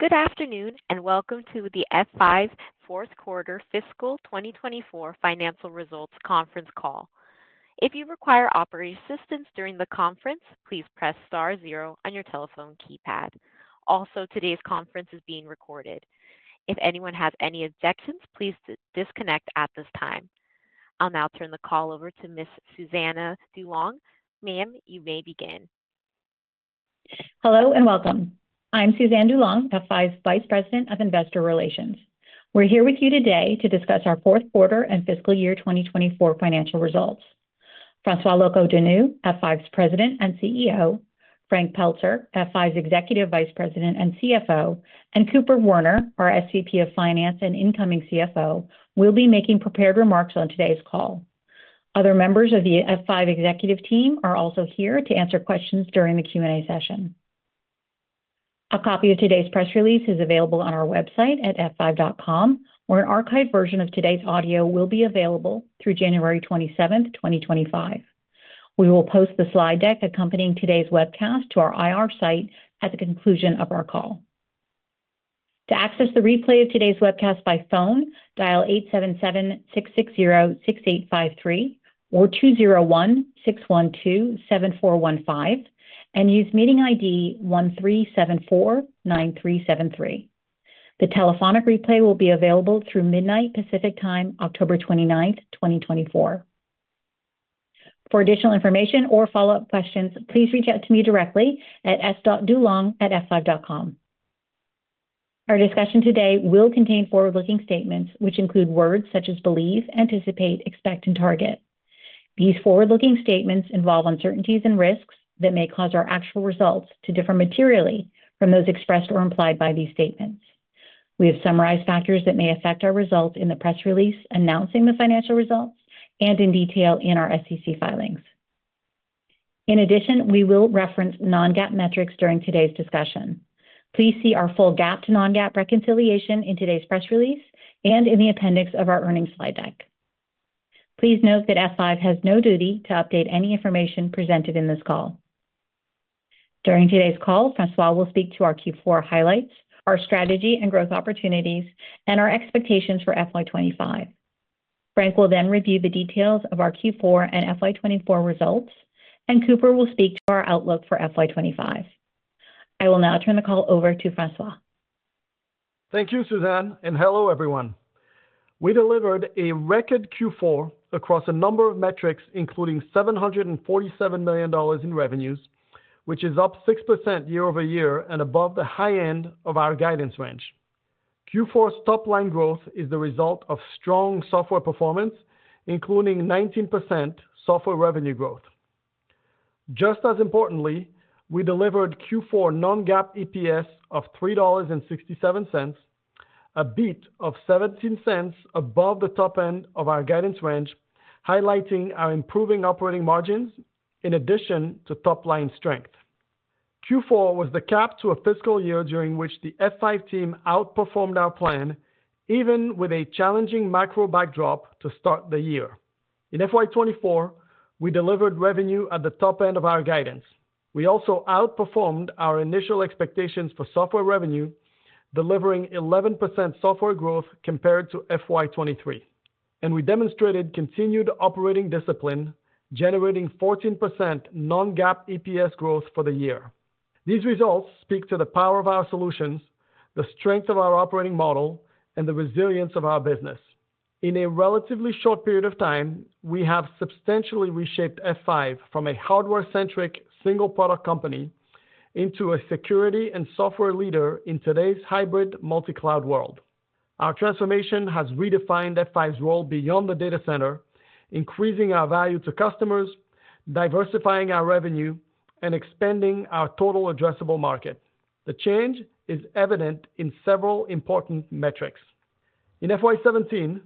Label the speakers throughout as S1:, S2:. S1: Good afternoon, and welcome to the F5 Q4 Fiscal 2024 Financial Results Conference Call. If you require operating assistance during the conference, please press star zero on your telephone keypad. Also, today's conference is being recorded. If anyone has any objections, please disconnect at this time. I'll now turn the call over to Miss Suzanne DuLong. Ma'am, you may begin.
S2: Hello, and welcome. I'm Suzanne DuLong, F5's Vice President of Investor Relations. We're here with you today to discuss our Q4 and fiscal year twenty twenty-four financial results. François Locoh-Donou, F5's President and CEO, Frank Pelzer, F5's Executive Vice President and CFO, and Cooper Werner, our SVP of Finance and incoming CFO, will be making prepared remarks on today's call. Other members of the F5 executive team are also here to answer questions during the Q&A session. A copy of today's press release is available on our website at f5.com, where an archived version of today's audio will be available through January twenty-seventh, twenty twenty-five. We will post the slide deck accompanying today's webcast to our IR site at the conclusion of our call. To access the replay of today's webcast by phone, dial eight seven seven six six zero six eight five three or two zero one six one two seven four one five and use meeting ID one three seven four nine three seven three. The telephonic replay will be available through midnight Pacific Time, October twenty-ninth, twenty twenty-four. For additional information or follow-up questions, please reach out to me directly at s.dulong@f5.com. Our discussion today will contain forward-looking statements, which include words such as believe, anticipate, expect, and target. These forward-looking statements involve uncertainties and risks that may cause our actual results to differ materially from those expressed or implied by these statements. We have summarized factors that may affect our results in the press release announcing the financial results and in detail in our SEC filings. In addition, we will reference non-GAAP metrics during today's discussion. Please see our full GAAP to non-GAAP reconciliation in today's press release and in the appendix of our earnings slide deck. Please note that F5 has no duty to update any information presented in this call. During today's call, François will speak to our Q4 highlights, our strategy and growth opportunities, and our expectations for FY 2025. Frank will then review the details of our Q4 and FY 2024 results, and Cooper will speak to our outlook for FY 2025. I will now turn the call over to François.
S3: Thank you, Suzanne, and hello, everyone. We delivered a record Q4 across a number of metrics, including $747 million in revenues, which is up 6% year over year and above the high end of our guidance range. Q4's top line growth is the result of strong software performance, including 19% software revenue growth. Just as importantly, we delivered Q4 non-GAAP EPS of $3.67, a beat of 17 cents above the top end of our guidance range, highlighting our improving operating margins in addition to top line strength. Q4 was the cap to a fiscal year during which the F5 team outperformed our plan, even with a challenging macro backdrop to start the year. In FY 2024, we delivered revenue at the top end of our guidance. We also outperformed our initial expectations for software revenue, delivering 11% software growth compared to FY 2023, and we demonstrated continued operating discipline, generating 14% non-GAAP EPS growth for the year. These results speak to the power of our solutions, the strength of our operating model, and the resilience of our business. In a relatively short period of time, we have substantially reshaped F5 from a hardware-centric, single-product company into a security and software leader in today's hybrid multi-cloud world. Our transformation has redefined F5's role beyond the data center, increasing our value to customers, diversifying our revenue, and expanding our total addressable market. The change is evident in several important metrics. In FY 2017,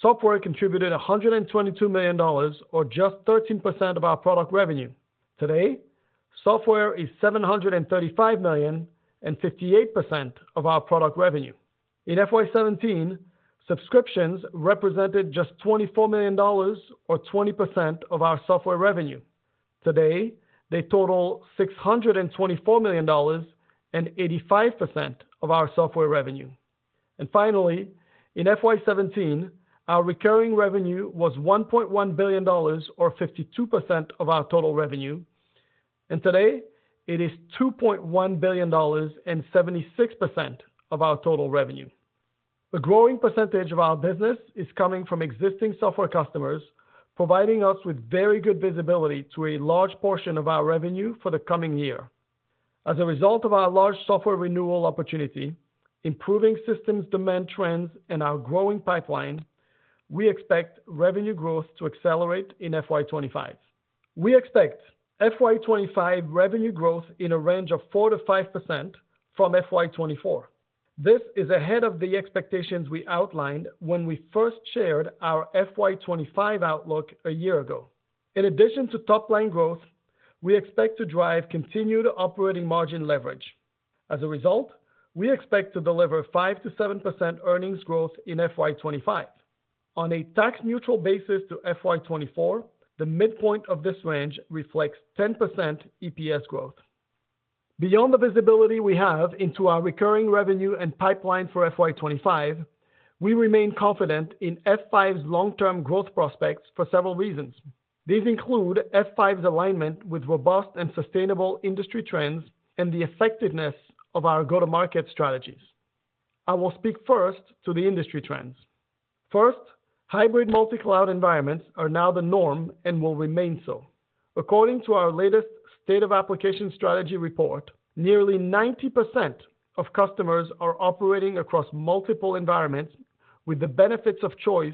S3: software contributed $122 million, or just 13% of our product revenue. Today, software is $735 million and 58% of our product revenue. In FY 2017, subscriptions represented just $24 million or 20% of our software revenue. Today, they total $624 million and 85% of our software revenue. And finally, in FY 2017, our recurring revenue was $1.1 billion, or 52% of our total revenue, and today it is $2.1 billion and 76% of our total revenue. A growing percentage of our business is coming from existing software customers, providing us with very good visibility to a large portion of our revenue for the coming year. As a result of our large software renewal opportunity, improving systems demand trends, and our growing pipeline, we expect revenue growth to accelerate in FY 2025. We expect FY 2025 revenue growth in a range of 4% to 5% from FY 2024. This is ahead of the expectations we outlined when we first shared our FY twenty-five outlook a year ago. In addition to top line growth, we expect to drive continued operating margin leverage. As a result, we expect to deliver 5-7% earnings growth in FY twenty-five. On a tax neutral basis to FY twenty-four, the midpoint of this range reflects 10% EPS growth. Beyond the visibility we have into our recurring revenue and pipeline for FY twenty-five, we remain confident in F5's long-term growth prospects for several reasons. These include F5's alignment with robust and sustainable industry trends and the effectiveness of our go-to-market strategies. I will speak first to the industry trends. First, hybrid multi-cloud environments are now the norm and will remain so. According to our latest State of Application Strategy report, nearly 90% of customers are operating across multiple environments, with the benefits of choice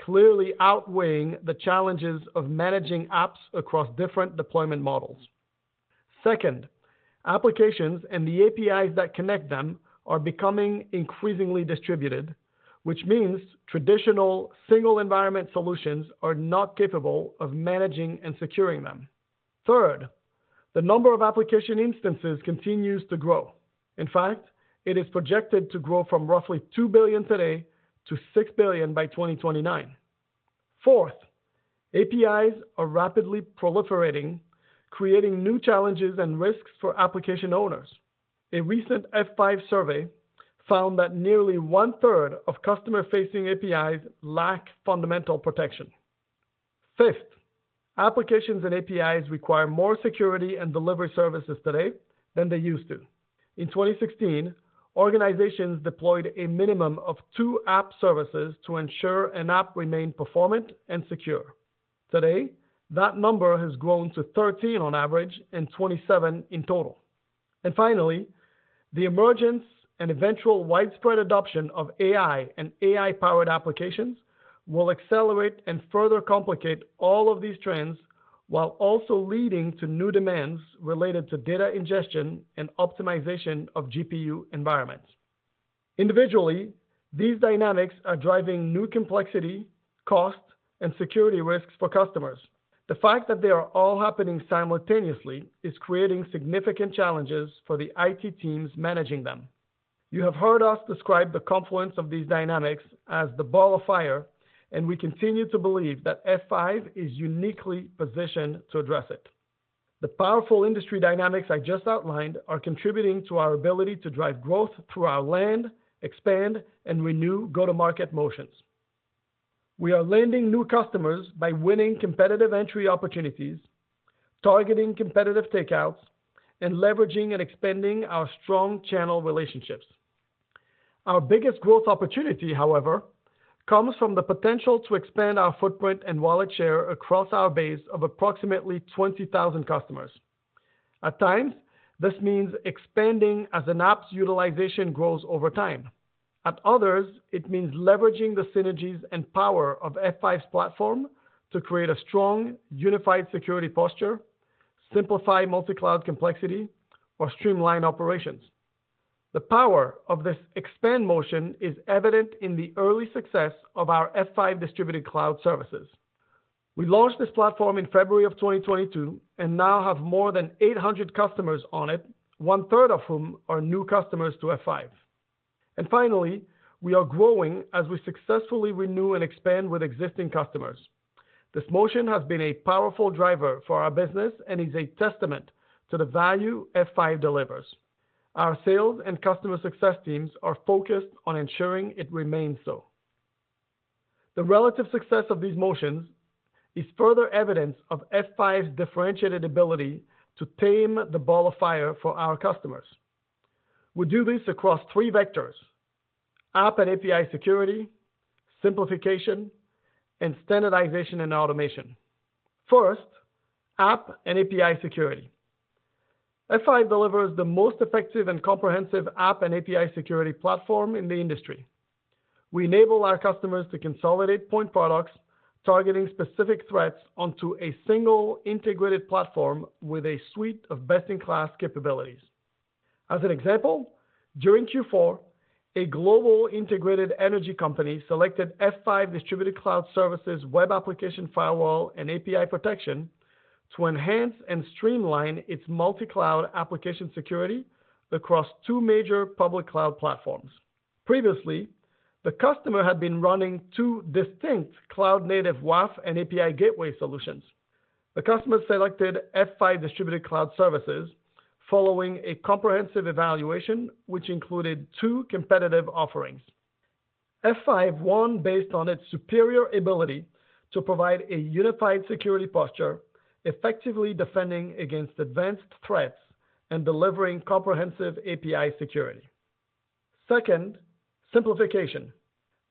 S3: clearly outweighing the challenges of managing apps across different deployment models. Second, applications and the APIs that connect them are becoming increasingly distributed, which means traditional single environment solutions are not capable of managing and securing them. Third, the number of application instances continues to grow. In fact, it is projected to grow from roughly two billion today to six billion by twenty twenty-nine. Fourth, APIs are rapidly proliferating, creating new challenges and risks for application owners. A recent F5 survey found that nearly one-third of customer-facing APIs lack fundamental protection. Fifth, applications and APIs require more security and delivery services today than they used to. In twenty sixteen, organizations deployed a minimum of two app services to ensure an app remained performant and secure. Today, that number has grown to thirteen on average and twenty-seven in total. And finally, the emergence and eventual widespread adoption of AI and AI-powered applications will accelerate and further complicate all of these trends, while also leading to new demands related to data ingestion and optimization of GPU environments. Individually, these dynamics are driving new complexity, cost, and security risks for customers. The fact that they are all happening simultaneously is creating significant challenges for the IT teams managing them. You have heard us describe the confluence of these dynamics as the ball of fire, and we continue to believe that F5 is uniquely positioned to address it. The powerful industry dynamics I just outlined are contributing to our ability to drive growth through our land, expand, and renew go-to-market motions. We are landing new customers by winning competitive entry opportunities, targeting competitive takeouts, and leveraging and expanding our strong channel relationships. Our biggest growth opportunity, however, comes from the potential to expand our footprint and wallet share across our base of approximately 20,000 customers. At times, this means expanding as an app's utilization grows over time. At others, it means leveraging the synergies and power of F5's platform to create a strong, unified security posture, simplify multi-cloud complexity, or streamline operations. The power of this expand motion is evident in the early success of our F5 Distributed Cloud Services. We launched this platform in February of 2022 and now have more than 800 customers on it, one-third of whom are new customers to F5. And finally, we are growing as we successfully renew and expand with existing customers. This motion has been a powerful driver for our business and is a testament to the value F5 delivers. Our sales and customer success teams are focused on ensuring it remains so. The relative success of these motions is further evidence of F5's differentiated ability to tame the ball of fire for our customers. We do this across three vectors: app and API security, simplification, and standardization and automation. First, app and API security. F5 delivers the most effective and comprehensive app and API security platform in the industry. We enable our customers to consolidate point products, targeting specific threats onto a single integrated platform with a suite of best-in-class capabilities. As an example, during Q4, a global integrated energy company selected F5 Distributed Cloud Services, web application firewall, and API protection to enhance and streamline its multi-cloud application security across two major public cloud platforms. Previously, the customer had been running two distinct cloud-native WAF and API gateway solutions. The customer selected F5 Distributed Cloud Services following a comprehensive evaluation, which included two competitive offerings. F5 won based on its superior ability to provide a unified security posture, effectively defending against advanced threats and delivering comprehensive API security. Second, simplification.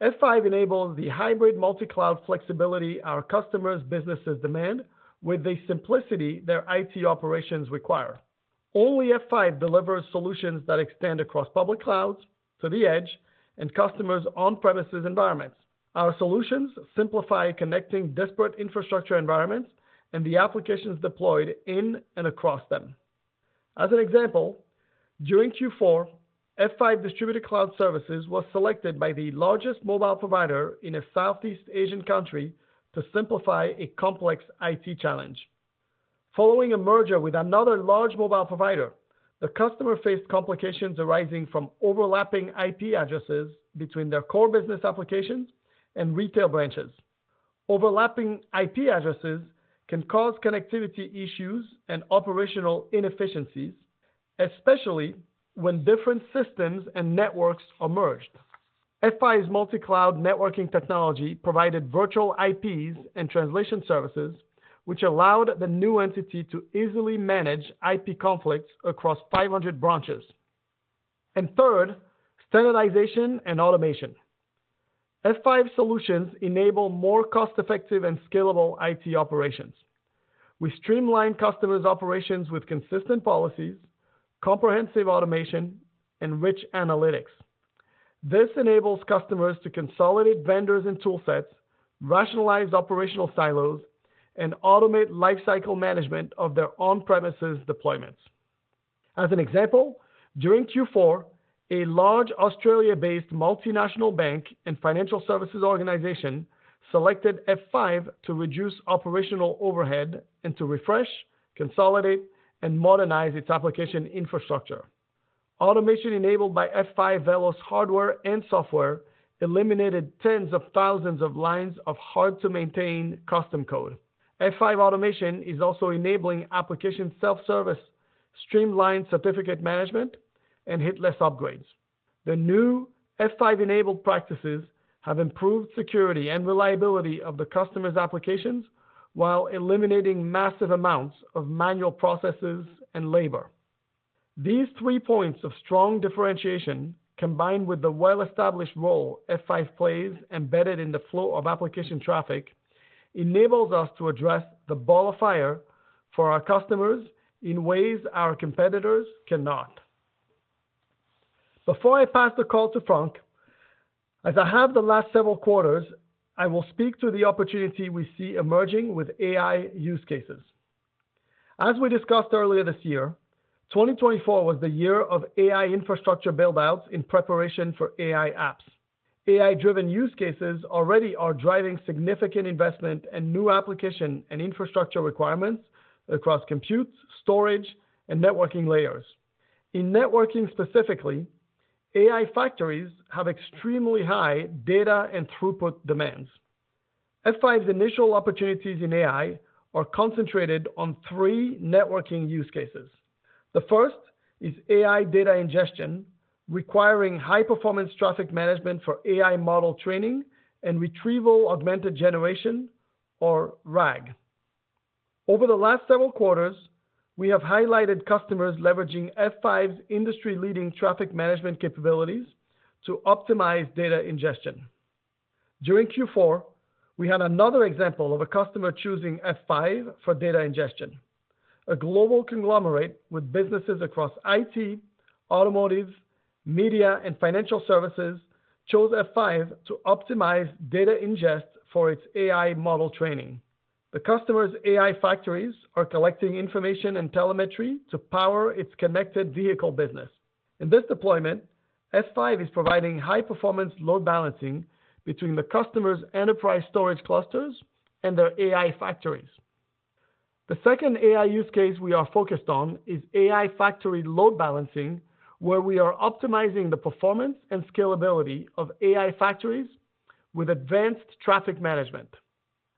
S3: F5 enables the hybrid multi-cloud flexibility our customers' businesses demand with the simplicity their IT operations require. Only F5 delivers solutions that extend across public clouds to the edge and customers' on-premises environments. Our solutions simplify connecting disparate infrastructure environments and the applications deployed in and across them. As an example, during Q4, F5 Distributed Cloud Services was selected by the largest mobile provider in a Southeast Asian country to simplify a complex IT challenge. Following a merger with another large mobile provider, the customer faced complications arising from overlapping IP addresses between their core business applications and retail branches. Overlapping IP addresses can cause connectivity issues and operational inefficiencies, especially when different systems and networks are merged. F5's multi-cloud networking technology provided virtual IPs and translation services, which allowed the new entity to easily manage IP conflicts across five hundred branches, and third, standardization and automation. F5 solutions enable more cost-effective and scalable IT operations. We streamline customers' operations with consistent policies, comprehensive automation, and rich analytics. This enables customers to consolidate vendors and tool sets, rationalize operational silos, and automate lifecycle management of their on-premises deployments. As an example, during Q4, a large Australia-based multinational bank and financial services organization selected F5 to reduce operational overhead and to refresh, consolidate, and modernize its application infrastructure. Automation enabled by F5 VELOS hardware and software eliminated tens of thousands of lines of hard-to-maintain custom code. F5 automation is also enabling application self-service, streamlined certificate management, and hitless upgrades. The new F5-enabled practices have improved security and reliability of the customer's applications while eliminating massive amounts of manual processes and labor. These three points of strong differentiation, combined with the well-established role F5 plays embedded in the flow of application traffic, enables us to address the ball of fire for our customers in ways our competitors cannot. Before I pass the call to Frank, as I have the last several quarters, I will speak to the opportunity we see emerging with AI use cases. As we discussed earlier this year, twenty twenty-four was the year of AI infrastructure build-outs in preparation for AI apps. AI-driven use cases already are driving significant investment and new application and infrastructure requirements across compute, storage, and networking layers. In networking specifically, AI factories have extremely high data and throughput demands. F5's initial opportunities in AI are concentrated on three networking use cases. The first is AI data ingestion, requiring high-performance traffic management for AI model training and retrieval, augmented generation, or RAG. Over the last several quarters, we have highlighted customers leveraging F5's industry-leading traffic management capabilities to optimize data ingestion. During Q4, we had another example of a customer choosing F5 for data ingestion. A global conglomerate with businesses across IT, automotive, media, and financial services chose F5 to optimize data ingest for its AI model training. The customer's AI factories are collecting information and telemetry to power its connected vehicle business. In this deployment, F5 is providing high-performance load balancing between the customer's enterprise storage clusters and their AI factories. The second AI use case we are focused on is AI factory load balancing, where we are optimizing the performance and scalability of AI factories with advanced traffic management.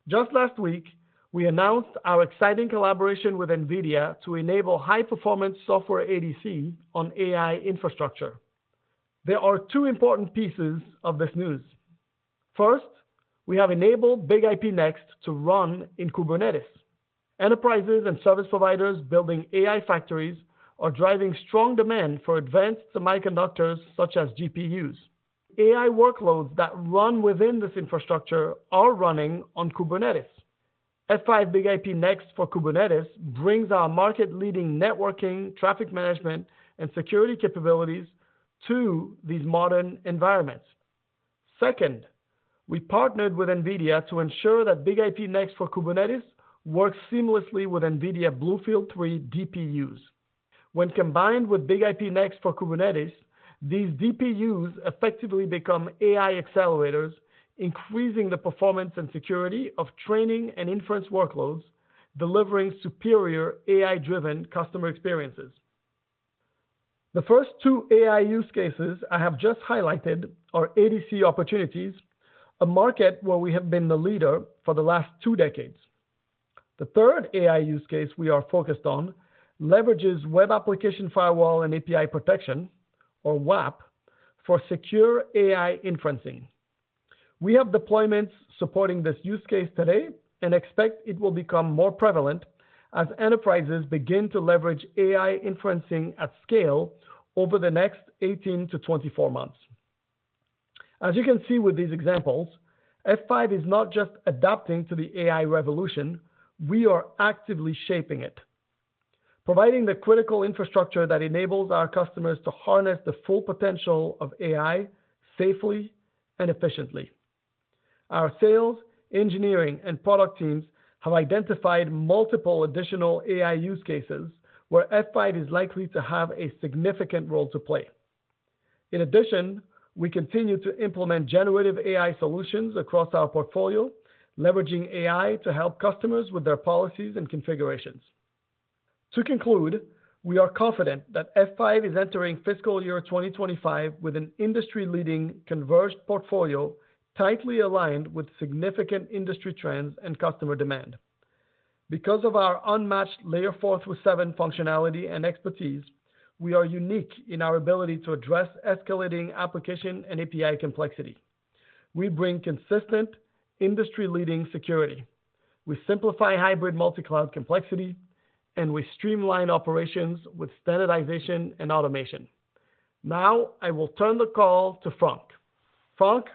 S3: Just last week, we announced our exciting collaboration with NVIDIA to enable high-performance software ADC on AI infrastructure. There are two important pieces of this news. First, we have enabled BIG-IP Next to run in Kubernetes. Enterprises and service providers building AI factories are driving strong demand for advanced semiconductors, such as GPUs. AI workloads that run within this infrastructure are running on Kubernetes. F5 BIG-IP Next for Kubernetes brings our market-leading networking, traffic management, and security capabilities to these modern environments. Second, we partnered with NVIDIA to ensure that BIG-IP Next for Kubernetes works seamlessly with NVIDIA BlueField-3 DPUs. When combined with BIG-IP Next for Kubernetes, these DPUs effectively become AI accelerators, increasing the performance and security of training and inference workloads, delivering superior AI-driven customer experiences. The first two AI use cases I have just highlighted are ADC opportunities, a market where we have been the leader for the last two decades. The third AI use case we are focused on leverages web application firewall and API protection, or WAAP, for secure AI inferencing. We have deployments supporting this use case today and expect it will become more prevalent as enterprises begin to leverage AI inferencing at scale over the next eighteen to twenty-four months. As you can see with these examples, F5 is not just adapting to the AI revolution, we are actively shaping it, providing the critical infrastructure that enables our customers to harness the full potential of AI safely and efficiently. Our sales, engineering, and product teams have identified multiple additional AI use cases where F5 is likely to have a significant role to play. In addition, we continue to implement generative AI solutions across our portfolio, leveraging AI to help customers with their policies and configurations. To conclude, we are confident that F5 is entering fiscal year 2025 with an industry-leading converged portfolio, tightly aligned with significant industry trends and customer demand. Because of our unmatched layer four through seven functionality and expertise, we are unique in our ability to address escalating application and API complexity. We bring consistent, industry-leading security. We simplify hybrid multi-cloud complexity, and we streamline operations with standardization and automation. Now, I will turn the call to Frank. Frank?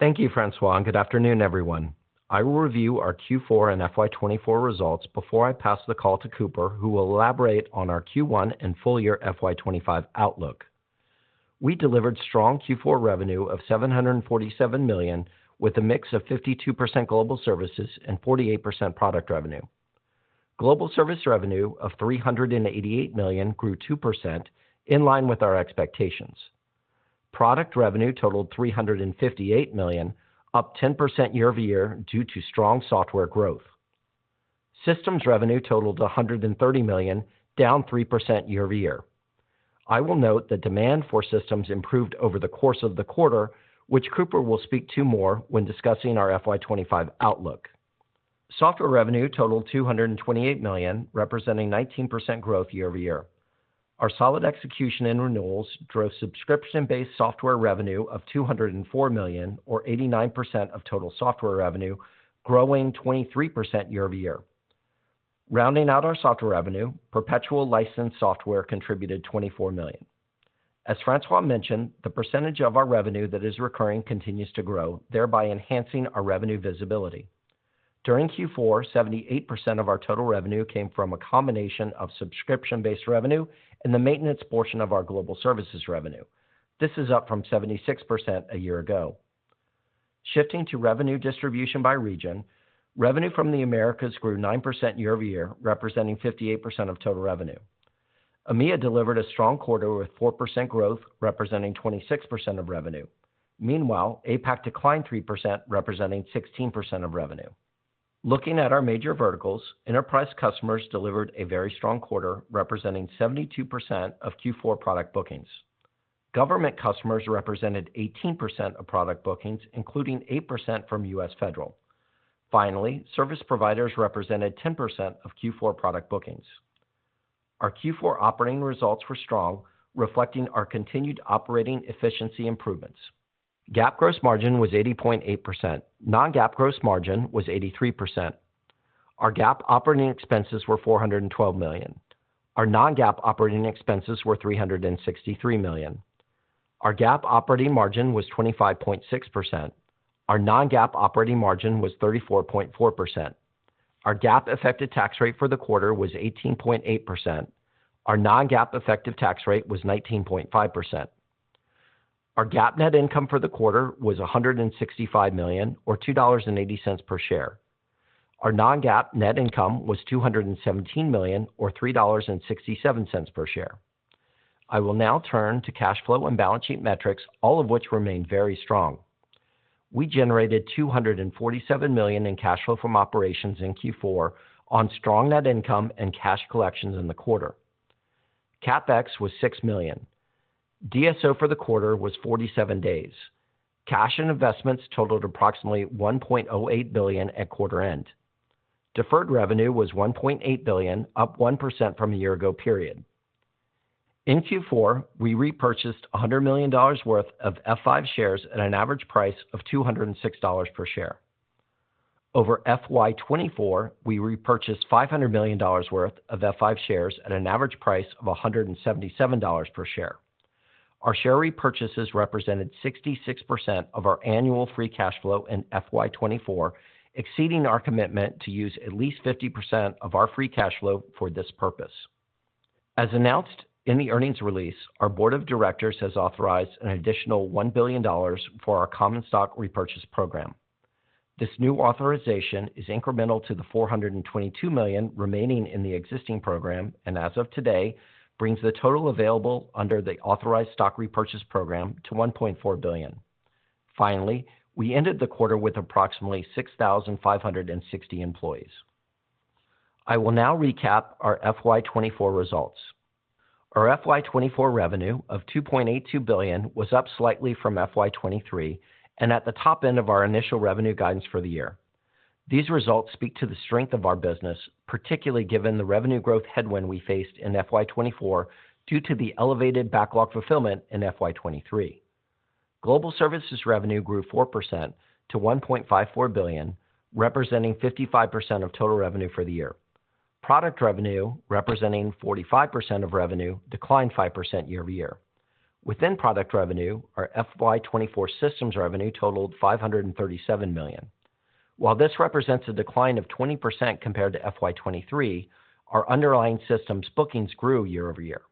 S4: Thank you, François, and good afternoon, everyone. I will review our Q4 and FY 2024 results before I pass the call to Cooper, who will elaborate on our Q1 and full year FY 2025 outlook. We delivered strong Q4 revenue of $747 million, with a mix of 52% global services and 48% product revenue. Global service revenue of $388 million grew 2%, in line with our expectations. Product revenue totaled $358 million, up 10% year-over-year due to strong software growth. Systems revenue totaled $130 million, down 3% year-over-year. I will note that demand for systems improved over the course of the quarter, which Cooper will speak to more when discussing our FY 2025 outlook. Software revenue totaled $228 million, representing 19% growth year-over-year. Our solid execution in renewals drove subscription-based software revenue of $204 million, or 89% of total software revenue, growing 23% year-over-year. Rounding out our software revenue, perpetual license software contributed $24 million. As François mentioned, the percentage of our revenue that is recurring continues to grow, thereby enhancing our revenue visibility. During Q4, 78% of our total revenue came from a combination of subscription-based revenue and the maintenance portion of our global services revenue. This is up from 76% a year ago. Shifting to revenue distribution by region, revenue from the Americas grew 9% year-over-year, representing 58% of total revenue. EMEA delivered a strong quarter with 4% growth, representing 26% of revenue. Meanwhile, APAC declined 3%, representing 16% of revenue. Looking at our major verticals, enterprise customers delivered a very strong quarter, representing 72% of Q4 product bookings. Government customers represented 18% of product bookings, including 8% from U.S. Federal. Finally, service providers represented 10% of Q4 product bookings. Our Q4 operating results were strong, reflecting our continued operating efficiency improvements. GAAP gross margin was 80.8%. Non-GAAP gross margin was 83%. Our GAAP operating expenses were $412 million. Our non-GAAP operating expenses were $363 million. Our GAAP operating margin was 25.6%. Our non-GAAP operating margin was 34.4%. Our GAAP effective tax rate for the quarter was 18.8%. Our non-GAAP effective tax rate was 19.5%. Our GAAP net income for the quarter was $165 million, or $2.80 per share. Our non-GAAP net income was $217 million, or $3.67 per share. I will now turn to cash flow and balance sheet metrics, all of which remain very strong. We generated $247 million in cash flow from operations in Q4 on strong net income and cash collections in the quarter. CapEx was $6 million. DSO for the quarter was 47 days. Cash and investments totaled approximately $1.08 billion at quarter end. Deferred revenue was $1.8 billion, up 1% from a year ago period. In Q4, we repurchased $100 million worth of F5 shares at an average price of $206 per share. Over FY 2024, we repurchased $500 million worth of F5 shares at an average price of $177 per share. Our share repurchases represented 66% of our annual free cash flow in FY 2024, exceeding our commitment to use at least 50% of our free cash flow for this purpose. As announced in the earnings release, our board of directors has authorized an additional $1 billion for our common stock repurchase program. This new authorization is incremental to the $422 million remaining in the existing program, and as of today, brings the total available under the authorized stock repurchase program to $1.4 billion. Finally, we ended the quarter with approximately 6,560 employees. I will now recap our FY 2024 results. Our FY 2024 revenue of $2.82 billion was up slightly from FY 2023 and at the top end of our initial revenue guidance for the year. These results speak to the strength of our business, particularly given the revenue growth headwind we faced in FY 2024 due to the elevated backlog fulfillment in FY 2023. Global services revenue grew 4% to $1.54 billion, representing 55% of total revenue for the year. Product revenue, representing 45% of revenue, declined 5% year-over-year. Within product revenue, our FY 2024 systems revenue totaled $537 million. While this represents a decline of 20% compared to FY 2023, our underlying systems bookings grew year-over-year.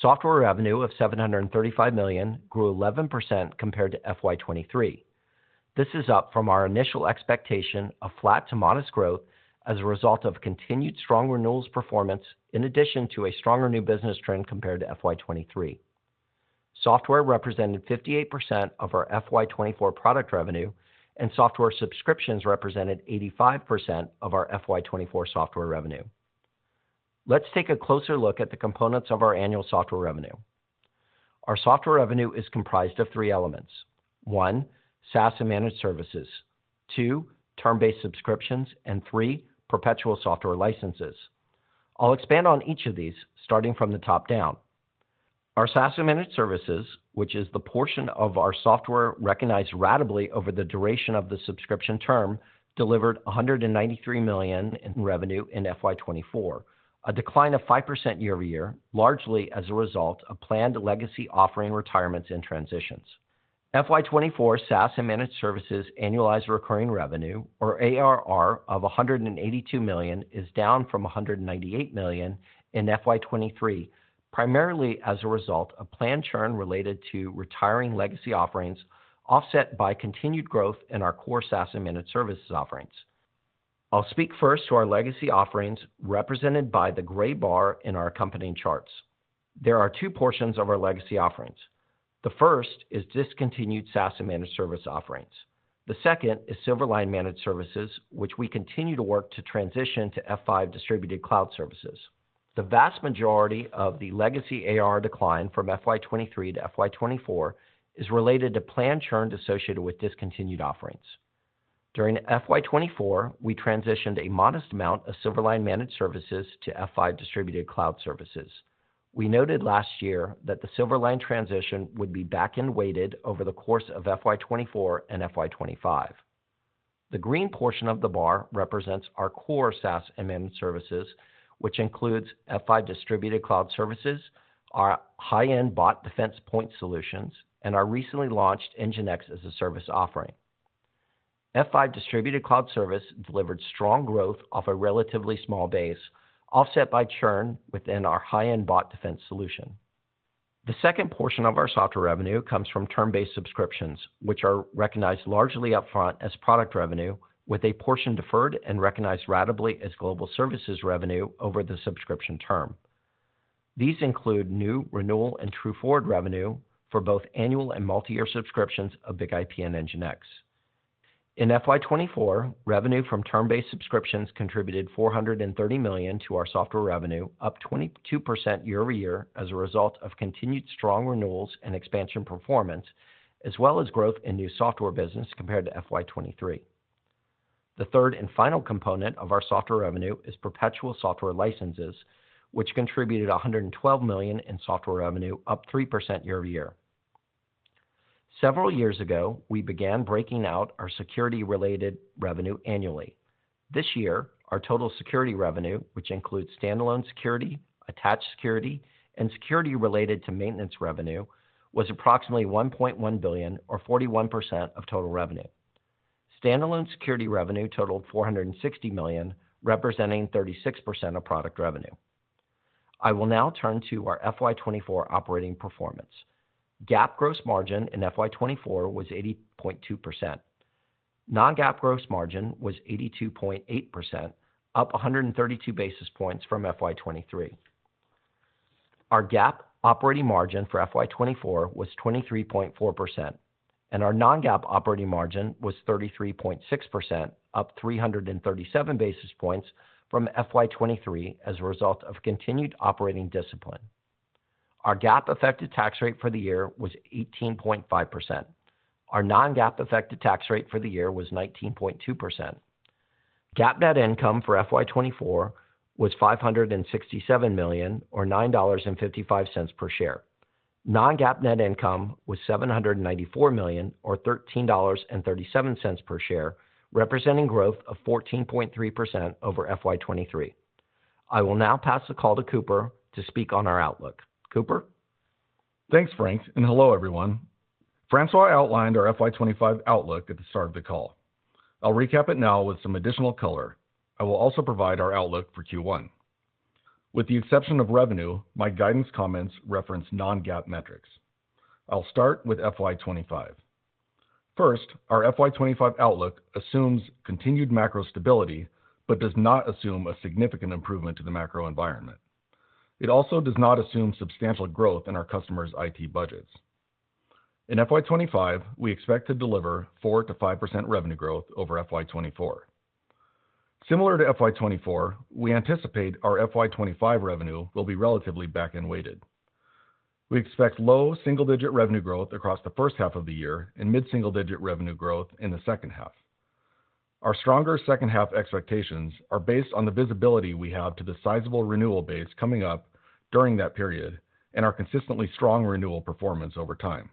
S4: Software revenue of $735 million grew 11% compared to FY 2023.... This is up from our initial expectation of flat to modest growth as a result of continued strong renewals performance, in addition to a stronger new business trend compared to FY 2023. Software represented 58% of our FY 2024 product revenue, and software subscriptions represented 85% of our FY 2024 software revenue. Let's take a closer look at the components of our annual software revenue. Our software revenue is comprised of three elements: one, SaaS and managed services, two, term-based subscriptions, and three, perpetual software licenses. I'll expand on each of these, starting from the top down. Our SaaS and managed services, which is the portion of our software recognized ratably over the duration of the subscription term, delivered $193 million in revenue in FY 2024, a decline of 5% year over year, largely as a result of planned legacy offering retirements and transitions. FY 2024 SaaS and managed services annualized recurring revenue, or ARR, of $182 million is down from $198 million in FY 2023, primarily as a result of planned churn related to retiring legacy offerings, offset by continued growth in our core SaaS and managed services offerings. I'll speak first to our legacy offerings, represented by the gray bar in our accompanying charts. There are two portions of our legacy offerings. The first is discontinued SaaS and managed service offerings. The second is Silverline Managed Services, which we continue to work to transition to F5 Distributed Cloud Services. The vast majority of the legacy AR decline from FY 2023 to FY 2024 is related to planned churn associated with discontinued offerings. During FY 2024, we transitioned a modest amount of Silverline Managed Services to F5 Distributed Cloud Services. We noted last year that the Silverline transition would be back and weighted over the course of FY twenty-four and FY twenty-five. The green portion of the bar represents our core SaaS and managed services, which includes F5 Distributed Cloud Services, our high-end Bot Defense Point solutions, and our recently launched NGINX as a Service offering. F5 Distributed Cloud Services delivered strong growth off a relatively small base, offset by churn within our high-end Bot Defense solution. The second portion of our software revenue comes from term-based subscriptions, which are recognized largely upfront as product revenue, with a portion deferred and recognized ratably as global services revenue over the subscription term. These include new, renewal, and True Forward revenue for both annual and multiyear subscriptions of BIG-IP and NGINX. In FY 2024, revenue from term-based subscriptions contributed $430 million to our software revenue, up 22% year over year, as a result of continued strong renewals and expansion performance, as well as growth in new software business compared to FY 2023. The third and final component of our software revenue is perpetual software licenses, which contributed $112 million in software revenue, up 3% year over year. Several years ago, we began breaking out our security-related revenue annually. This year, our total security revenue, which includes standalone security, attached security, and security related to maintenance revenue, was approximately $1.1 billion, or 41% of total revenue. Standalone security revenue totaled $460 million, representing 36% of product revenue. I will now turn to our FY 2024 operating performance. GAAP gross margin in FY 2024 was 80.2%. Non-GAAP gross margin was 82.8%, up 132 basis points from FY 2023. Our GAAP operating margin for FY 2024 was 23.4%, and our non-GAAP operating margin was 33.6%, up 337 basis points from FY 2023 as a result of continued operating discipline. Our GAAP effective tax rate for the year was 18.5%. Our non-GAAP effective tax rate for the year was 19.2%. GAAP net income for FY 2024 was $567 million, or $9.55 per share. Non-GAAP net income was $794 million, or $13.37 per share, representing growth of 14.3% over FY 2023. I will now pass the call to Cooper to speak on our outlook. Cooper?
S5: Thanks, Frank, and hello, everyone. François outlined our FY 2025 outlook at the start of the call. I'll recap it now with some additional color. I will also provide our outlook for Q1. With the exception of revenue, my guidance comments reference non-GAAP metrics. I'll start with FY 2025. First, our FY 2025 outlook assumes continued macro stability but does not assume a significant improvement to the macro environment. It also does not assume substantial growth in our customers' IT budgets. In FY 2025, we expect to deliver 4%-5% revenue growth over FY 2024. Similar to FY 2024, we anticipate our FY 2025 revenue will be relatively back-end weighted. We expect low single-digit revenue growth across the H1 of the year and mid-single digit revenue growth in the H2. Our stronger H2 expectations are based on the visibility we have to the sizable renewal base coming up during that period and our consistently strong renewal performance over time.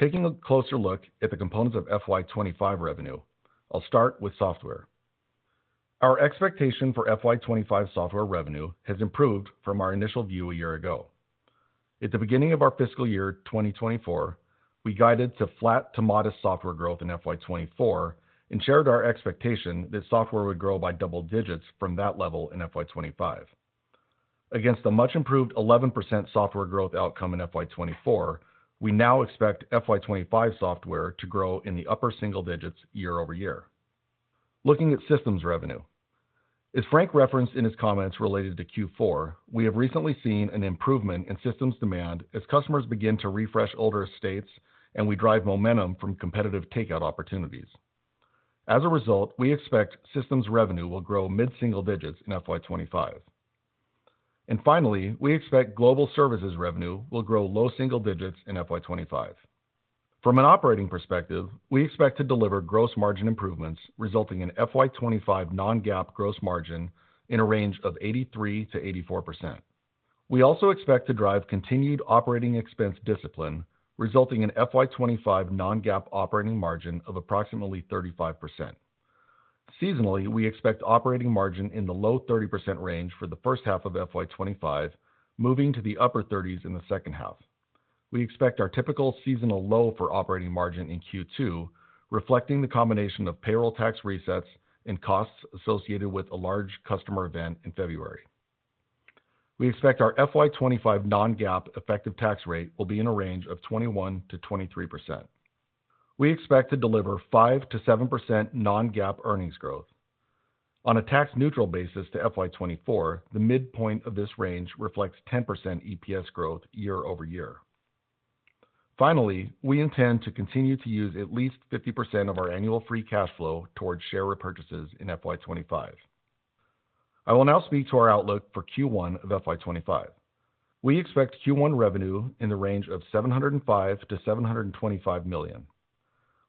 S5: Taking a closer look at the components of FY 2025 revenue, I'll start with software. Our expectation for FY 2025 software revenue has improved from our initial view a year ago. At the beginning of our fiscal year 2024, we guided to flat to modest software growth in FY 2024 and shared our expectation that software would grow by double digits from that level in FY 2025... against the much improved 11% software growth outcome in FY 2024, we now expect FY 2025 software to grow in the upper single digits year over year. Looking at systems revenue. As Frank referenced in his comments related to Q4, we have recently seen an improvement in systems demand as customers begin to refresh older estates, and we drive momentum from competitive takeout opportunities. As a result, we expect systems revenue will grow mid-single digits in FY 2025. And finally, we expect global services revenue will grow low single digits in FY 2025. From an operating perspective, we expect to deliver gross margin improvements, resulting in FY 2025 non-GAAP gross margin in a range of 83%-84%. We also expect to drive continued operating expense discipline, resulting in FY 2025 non-GAAP operating margin of approximately 35%. Seasonally, we expect operating margin in the low 30% range for the H1 of FY 2025, moving to the upper 30s in the H2. We expect our typical seasonal low for operating margin in Q2, reflecting the combination of payroll tax resets and costs associated with a large customer event in February. We expect our FY 2025 non-GAAP effective tax rate will be in a range of 21%-23%. We expect to deliver 5%-7% non-GAAP earnings growth. On a tax-neutral basis to FY 2024, the midpoint of this range reflects 10% EPS growth year over year. Finally, we intend to continue to use at least 50% of our annual free cash flow towards share repurchases in FY 2025. I will now speak to our outlook for Q1 of FY 2025. We expect Q1 revenue in the range of $705-$725 million.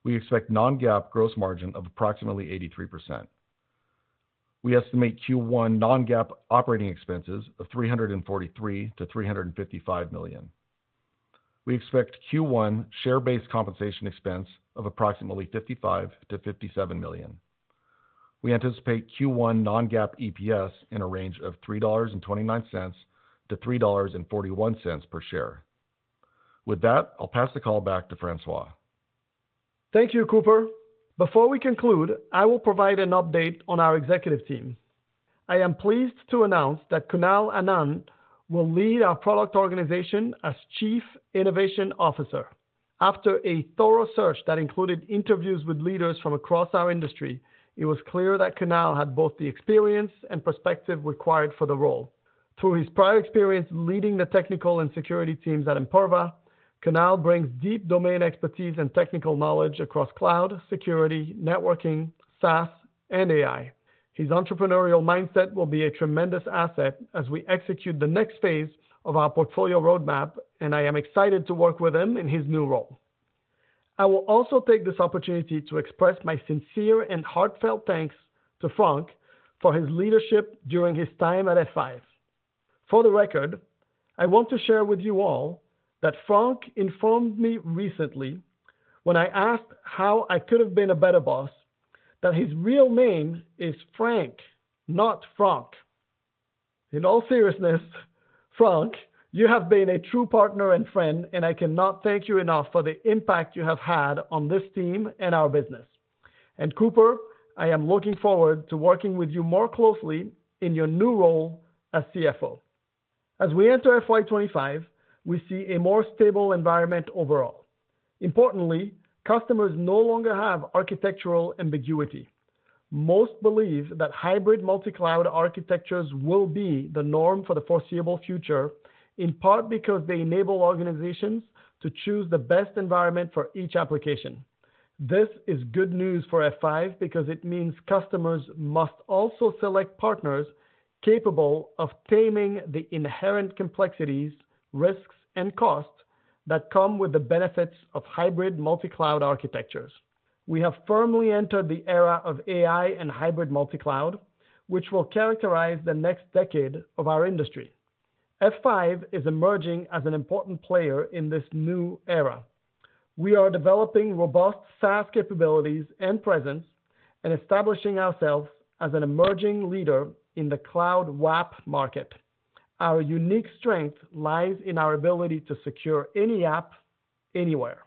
S5: We expect non-GAAP gross margin of approximately 83%. We estimate Q1 non-GAAP operating expenses of $343 million-$355 million. We expect Q1 share-based compensation expense of approximately $55 million-$57 million. We anticipate Q1 non-GAAP EPS in a range of $3.29-$3.41 per share. With that, I'll pass the call back to François.
S3: Thank you, Cooper. Before we conclude, I will provide an update on our executive team. I am pleased to announce that Kunal Anand will lead our product organization as Chief Innovation Officer. After a thorough search that included interviews with leaders from across our industry, it was clear that Kunal had both the experience and perspective required for the role. Through his prior experience leading the technical and security teams at Imperva, Kunal brings deep domain expertise and technical knowledge across cloud, security, networking, SaaS, and AI. His entrepreneurial mindset will be a tremendous asset as we execute the next phase of our portfolio roadmap, and I am excited to work with him in his new role. I will also take this opportunity to express my sincere and heartfelt thanks to Frank for his leadership during his time at F5. For the record, I want to share with you all that Frank informed me recently when I asked how I could have been a better boss, that his real name is Frank, not Franck. In all seriousness, Frank, you have been a true partner and friend, and I cannot thank you enough for the impact you have had on this team and our business. And Cooper, I am looking forward to working with you more closely in your new role as CFO. As we enter FY twenty-five, we see a more stable environment overall. Importantly, customers no longer have architectural ambiguity. Most believe that hybrid multi-cloud architectures will be the norm for the foreseeable future, in part because they enable organizations to choose the best environment for each application. This is good news for F5 because it means customers must also select partners capable of taming the inherent complexities, risks, and costs that come with the benefits of hybrid multi-cloud architectures. We have firmly entered the era of AI and hybrid multi-cloud, which will characterize the next decade of our industry. F5 is emerging as an important player in this new era. We are developing robust SaaS capabilities and presence, and establishing ourselves as an emerging leader in the cloud WAAP market. Our unique strength lies in our ability to secure any app, anywhere.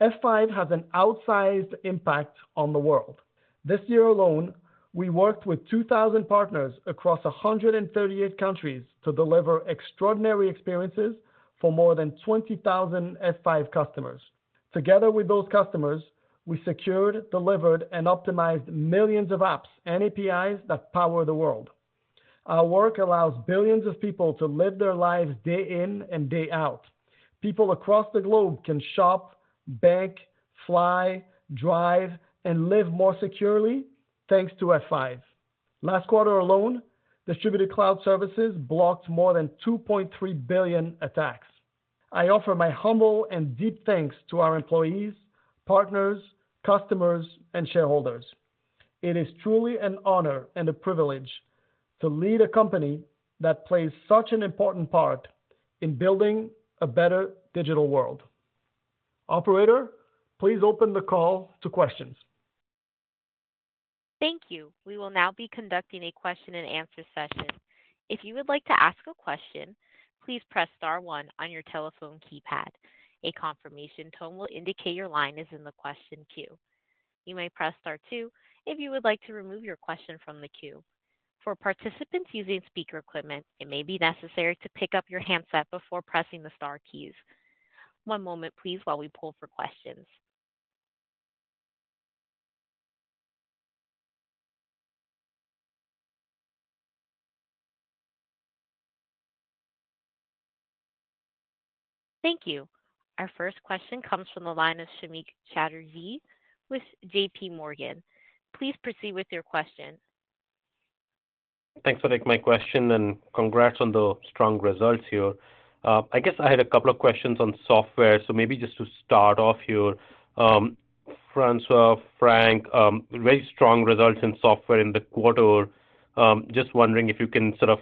S3: F5 has an outsized impact on the world. This year alone, we worked with two thousand partners across a hundred and thirty-eight countries to deliver extraordinary experiences for more than twenty thousand F5 customers. Together with those customers, we secured, delivered, and optimized millions of apps and APIs that power the world. Our work allows billions of people to live their lives day in and day out. People across the globe can shop, bank, fly, drive, and live more securely, thanks to F5. Last quarter alone, Distributed Cloud Services blocked more than 2.3 billion attacks. I offer my humble and deep thanks to our employees, partners, customers, and shareholders. It is truly an honor and a privilege to lead a company that plays such an important part in building a better digital world. Operator, please open the call to questions.
S1: Thank you. We will now be conducting a question and answer session. If you would like to ask a question, please press star one on your telephone keypad. A confirmation tone will indicate your line is in the question queue. You may press star two if you would like to remove your question from the queue. For participants using speaker equipment, it may be necessary to pick up your handset before pressing the star keys. One moment please, while we pull for questions. Thank you. Our first question comes from the line of Samik Chatterjee with J.P. Morgan. Please proceed with your question.
S6: Thanks for taking my question, and congrats on the strong results here. I guess I had a couple of questions on software, so maybe just to start off here. François, Frank, very strong results in software in the quarter. Just wondering if you can sort of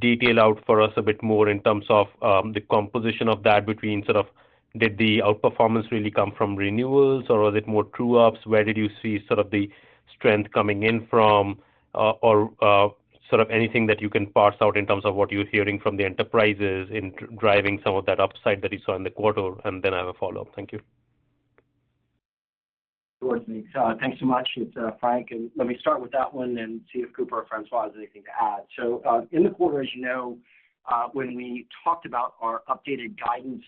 S6: detail out for us a bit more in terms of, the composition of that between sort of, did the outperformance really come from renewals, or was it more true-ups? Where did you see sort of the strength coming in from? Or, sort of anything that you can parse out in terms of what you're hearing from the enterprises in driving some of that upside that you saw in the quarter, and then I have a follow-up. Thank you.
S4: Sure thing. Thanks so much. It's Frank, and let me start with that one and see if Cooper or François has anything to add. So, in the quarter, as you know, when we talked about our updated guidance,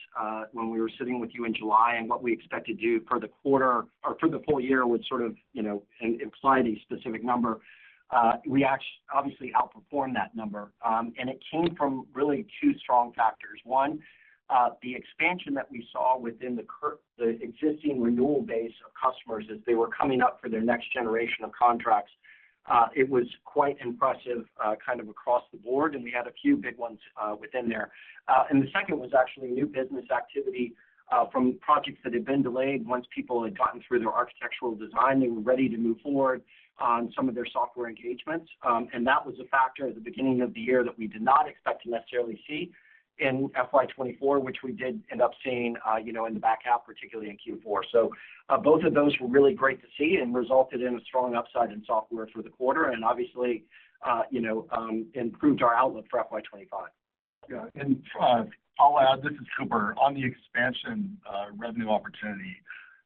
S4: when we were sitting with you in July, and what we expect to do for the quarter or for the full year would sort of, you know, imply any specific number. We actually outperformed that number, and it came from really two strong factors. One, the expansion that we saw within the existing renewal base of customers as they were coming up for their next generation of contracts. It was quite impressive, kind of across the board, and we had a few big ones within there. And the second was actually new business activity from projects that had been delayed. Once people had gotten through their architectural design, they were ready to move forward on some of their software engagements. And that was a factor at the beginning of the year that we did not expect to necessarily see in FY 2024, which we did end up seeing, you know, in the back half, particularly in Q4. So, both of those were really great to see and resulted in a strong upside in software for the quarter and obviously, you know, improved our outlook for FY 2025.
S5: Yeah, and I'll add, this is Cooper, on the expansion revenue opportunity.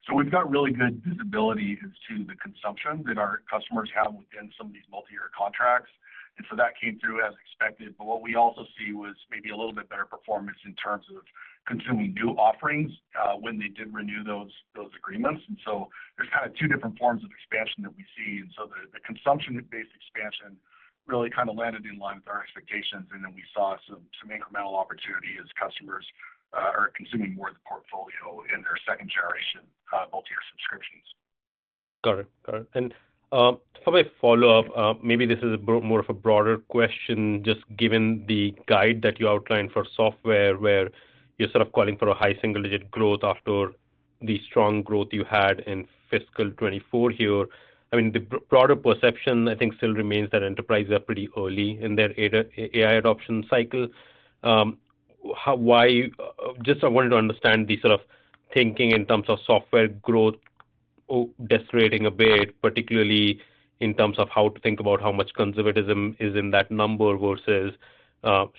S5: So we've got really good visibility into the consumption that our customers have within some of these multi-year contracts, and so that came through as expected. But what we also see was maybe a little bit better performance in terms of consuming new offerings, when they did renew those agreements. And so there's kind of two different forms of expansion that we see. And so the consumption-based expansion really kind of landed in line with our expectations, and then we saw some incremental opportunity as customers are consuming more of the portfolio in their second generation multi-year subscriptions.
S6: Got it. Got it. And, for my follow-up, maybe this is more of a broader question, just given the guide that you outlined for software, where you're sort of calling for a high single-digit growth after the strong growth you had in fiscal 2024 here. I mean, the broader perception, I think, still remains that enterprises are pretty early in their AI adoption cycle. How, why... Just I wanted to understand the sort of thinking in terms of software growth or decelerating a bit, particularly in terms of how to think about how much conservatism is in that number versus,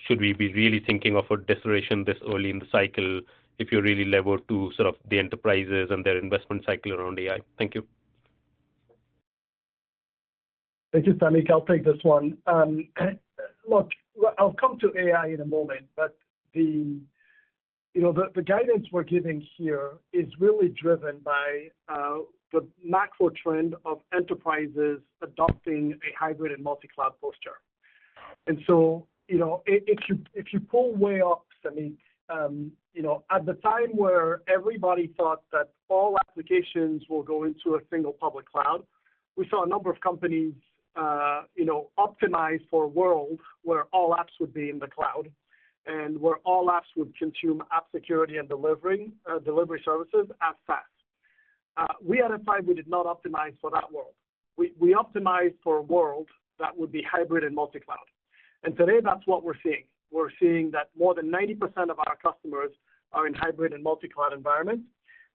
S6: should we be really thinking of a deceleration this early in the cycle, if you really relate to sort of the enterprises and their investment cycle around AI? Thank you.
S3: Thank you, Samik. I'll take this one. Look, I'll come to AI in a moment, but you know, the guidance we're giving here is really driven by the macro trend of enterprises adopting a hybrid and multi-cloud posture. And so, you know, if you pull way up, I mean, you know, at the time where everybody thought that all applications will go into a single public cloud, we saw a number of companies, you know, optimize for a world where all apps would be in the cloud and where all apps would consume app security and delivery services as fast. We at F5 did not optimize for that world. We optimized for a world that would be hybrid and multi-cloud. And today, that's what we're seeing. We're seeing that more than 90% of our customers are in hybrid and multi-cloud environments,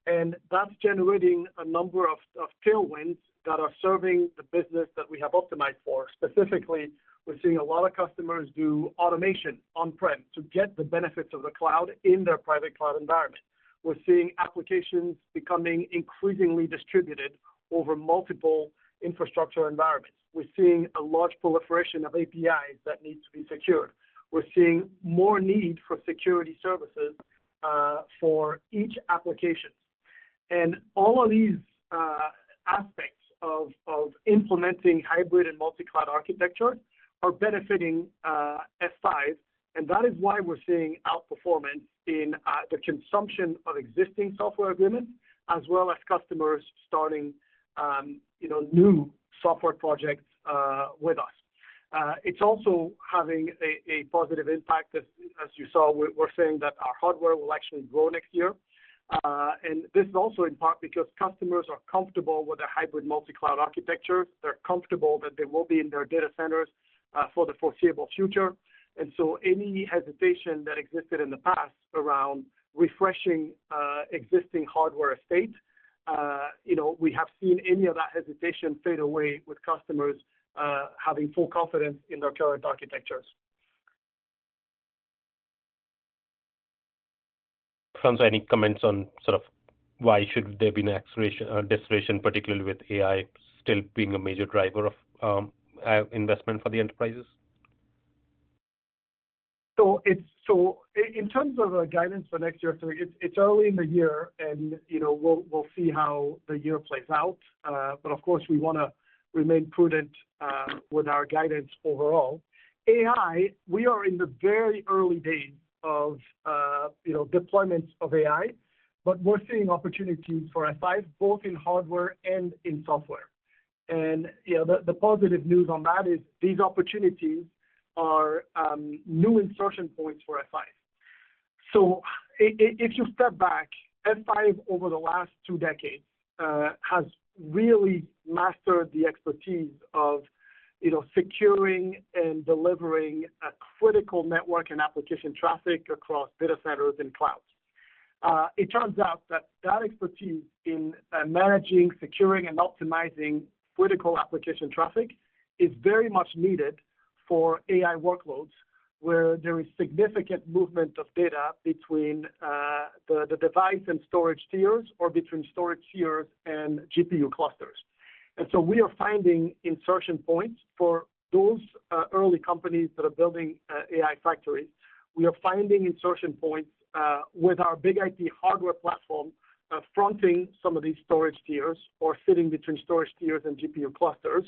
S3: and that's generating a number of tailwinds that are serving the business that we have optimized for. Specifically, we're seeing a lot of customers do automation on-prem to get the benefits of the cloud in their private cloud environment. We're seeing applications becoming increasingly distributed over multiple infrastructure environments. We're seeing a large proliferation of APIs that needs to be secured. We're seeing more need for security services for each application. And all of these aspects of implementing hybrid and multi-cloud architecture are benefiting F5, and that is why we're seeing outperformance in the consumption of existing software agreements, as well as customers starting you know, new software projects with us. It's also having a positive impact, as you saw, we're saying that our hardware will actually grow next year. And this is also in part because customers are comfortable with a Hybrid Multi-Cloud architecture. They're comfortable that they will be in their data centers for the foreseeable future. And so any hesitation that existed in the past around refreshing existing hardware estate, you know, we have seen any of that hesitation fade away with customers having full confidence in their current architectures.
S6: François, any comments on sort of why should there be an acceleration or deceleration, particularly with AI still being a major driver of investment for the enterprises?
S3: So it's in terms of our guidance for next year. It's early in the year and, you know, we'll see how the year plays out. But of course, we want to remain prudent with our guidance overall. AI, we are in the very early days of, you know, deployments of AI, but we're seeing opportunities for F5, both in hardware and in software. And, you know, the positive news on that is these opportunities are new insertion points for F5. So if you step back, F5, over the last two decades, has really mastered the expertise of, you know, securing and delivering a critical network and application traffic across data centers and clouds. It turns out that that expertise in managing, securing, and optimizing critical application traffic is very much needed for AI workloads, where there is significant movement of data between the device and storage tiers or between storage tiers and GPU clusters. And so we are finding insertion points for those early companies that are building AI factories. We are finding insertion points with our BIG-IP hardware platform fronting some of these storage tiers or sitting between storage tiers and GPU clusters.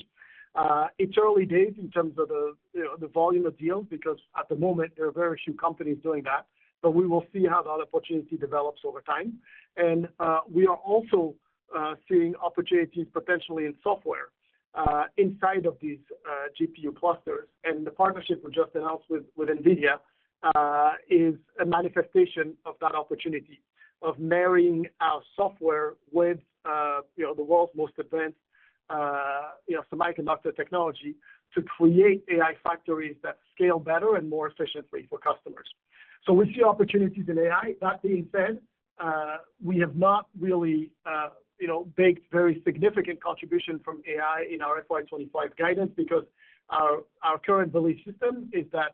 S3: It's early days in terms of the you know the volume of deals, because at the moment, there are very few companies doing that, but we will see how that opportunity develops over time. And we are also seeing opportunities potentially in software inside of these GPU clusters. And the partnership we just announced with NVIDIA is a manifestation of that opportunity of marrying our software with you know the world's most advanced you know semiconductor technology to create AI factories that scale better and more efficiently for customers. So we see opportunities in AI. That being said we have not really you know baked very significant contribution from AI in our FY twenty-five guidance because our current belief system is that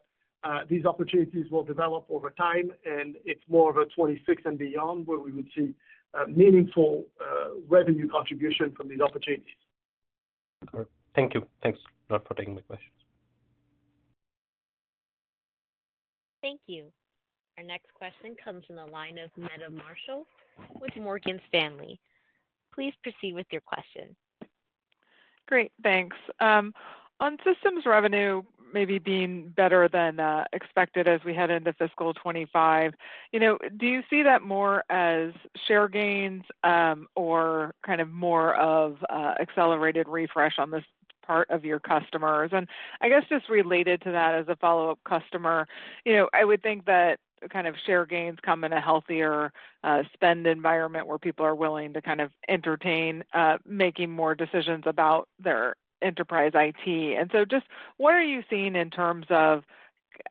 S3: these opportunities will develop over time and it's more of a twenty-six and beyond where we would see meaningful revenue contribution from these opportunities.
S6: Thank you. Thanks a lot for taking my questions.
S1: Thank you. Our next question comes from the line of Meta Marshall with Morgan Stanley. Please proceed with your question.
S7: Great, thanks. On systems revenue maybe being better than expected as we head into fiscal 2025, you know, do you see that more as share gains, or kind of more of, accelerated refresh on this part of your customers? And I guess just related to that as a follow-up customer, you know, I would think that kind of share gains come in a healthier, spend environment where people are willing to kind of entertain, making more decisions about their enterprise IT. And so just what are you seeing in terms of,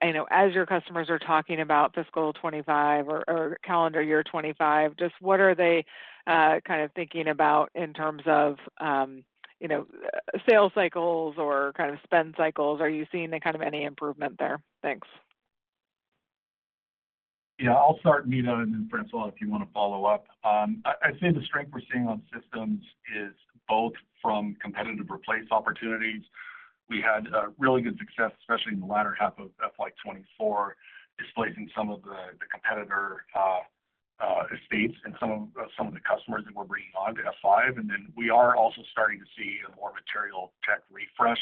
S7: you know, as your customers are talking about fiscal 2025 or calendar year 2025, just what are they, kind of thinking about in terms of, you know, sales cycles or kind of spend cycles? Are you seeing any kind of improvement there? Thanks.
S5: Yeah, I'll start, Meta, and then François, if you wanna follow up. I'd say the strength we're seeing on systems is both from competitive replace opportunities. We had really good success, especially in the latter half of FY 2024, displacing some of the competitor estates and some of the customers that we're bringing on to F5. And then we are also starting to see a more material tech refresh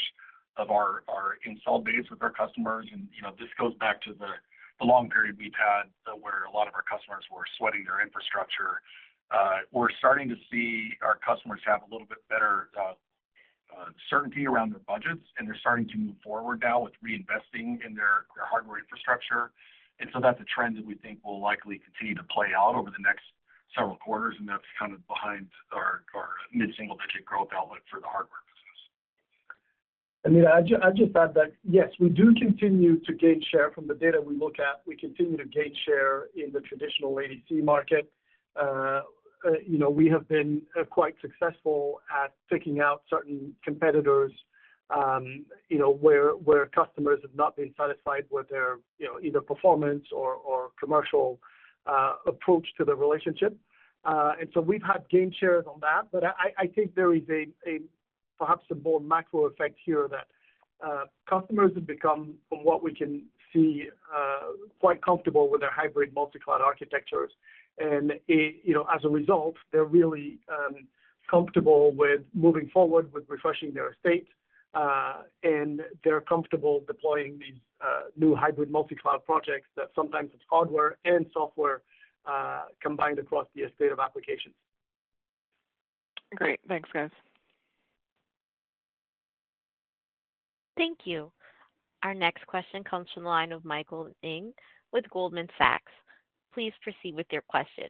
S5: of our install base with our customers. And, you know, this goes back to the long period we've had, where a lot of our customers were sweating their infrastructure. We're starting to see our customers have a little bit better certainty around their budgets, and they're starting to move forward now with reinvesting in their hardware infrastructure. And so that's a trend that we think will likely continue to play out over the next several quarters, and that's kind of behind our mid-single-digit growth outlook for the hardware business.
S3: Meta, I just add that, yes, we do continue to gain share from the data we look at. We continue to gain share in the traditional ADC market. You know, we have been quite successful at taking out certain competitors, you know, where customers have not been satisfied with their, you know, either performance or commercial approach to the relationship. And so we've had gain shares on that. But I think there is a perhaps a more macro effect here, that customers have become, from what we can see, quite comfortable with their hybrid multi-cloud architectures. You know, as a result, they're really comfortable with moving forward with refreshing their estate, and they're comfortable deploying these new Hybrid Multi-Cloud projects that sometimes it's hardware and software combined across the estate of applications.
S7: Great. Thanks, guys.
S1: Thank you. Our next question comes from the line of Michael Ng with Goldman Sachs. Please proceed with your question.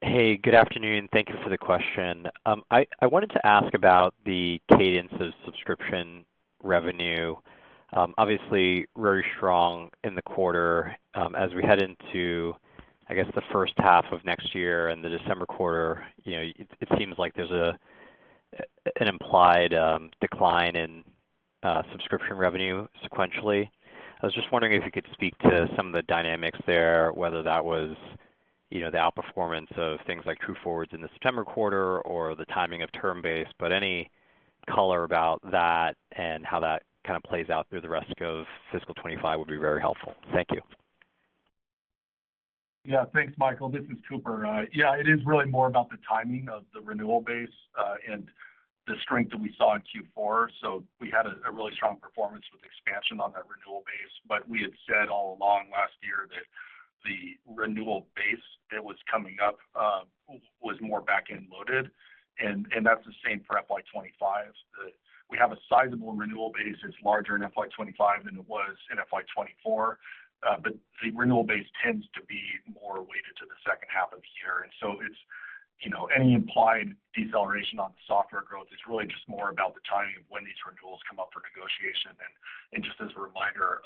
S8: Hey, good afternoon. Thank you for the question. I wanted to ask about the cadence of subscription revenue. Obviously, very strong in the quarter. As we head into, I guess, the H1 of next year and the December quarter, you know, it seems like there's an implied decline in subscription revenue sequentially. I was just wondering if you could speak to some of the dynamics there, whether that was, you know, the outperformance of things like True Forward in the September quarter or the timing of term-based, but any color about that and how that kind of plays out through the rest of fiscal twenty-five would be very helpful. Thank you.
S5: Yeah. Thanks, Michael. This is Cooper. Yeah, it is really more about the timing of the renewal base and the strength that we saw in Q4. So we had a really strong performance with expansion on that renewal base. But we had said all along last year that the renewal base that was coming up was more back-end loaded, and that's the same for FY 2025. We have a sizable renewal base. It's larger in FY 2025 than it was in FY 2024, but the renewal base tends to be more weighted to the H2 of the year. And so it's, you know, any implied deceleration on the software growth is really just more about the timing of when these renewals come up for negotiation. Just as a reminder,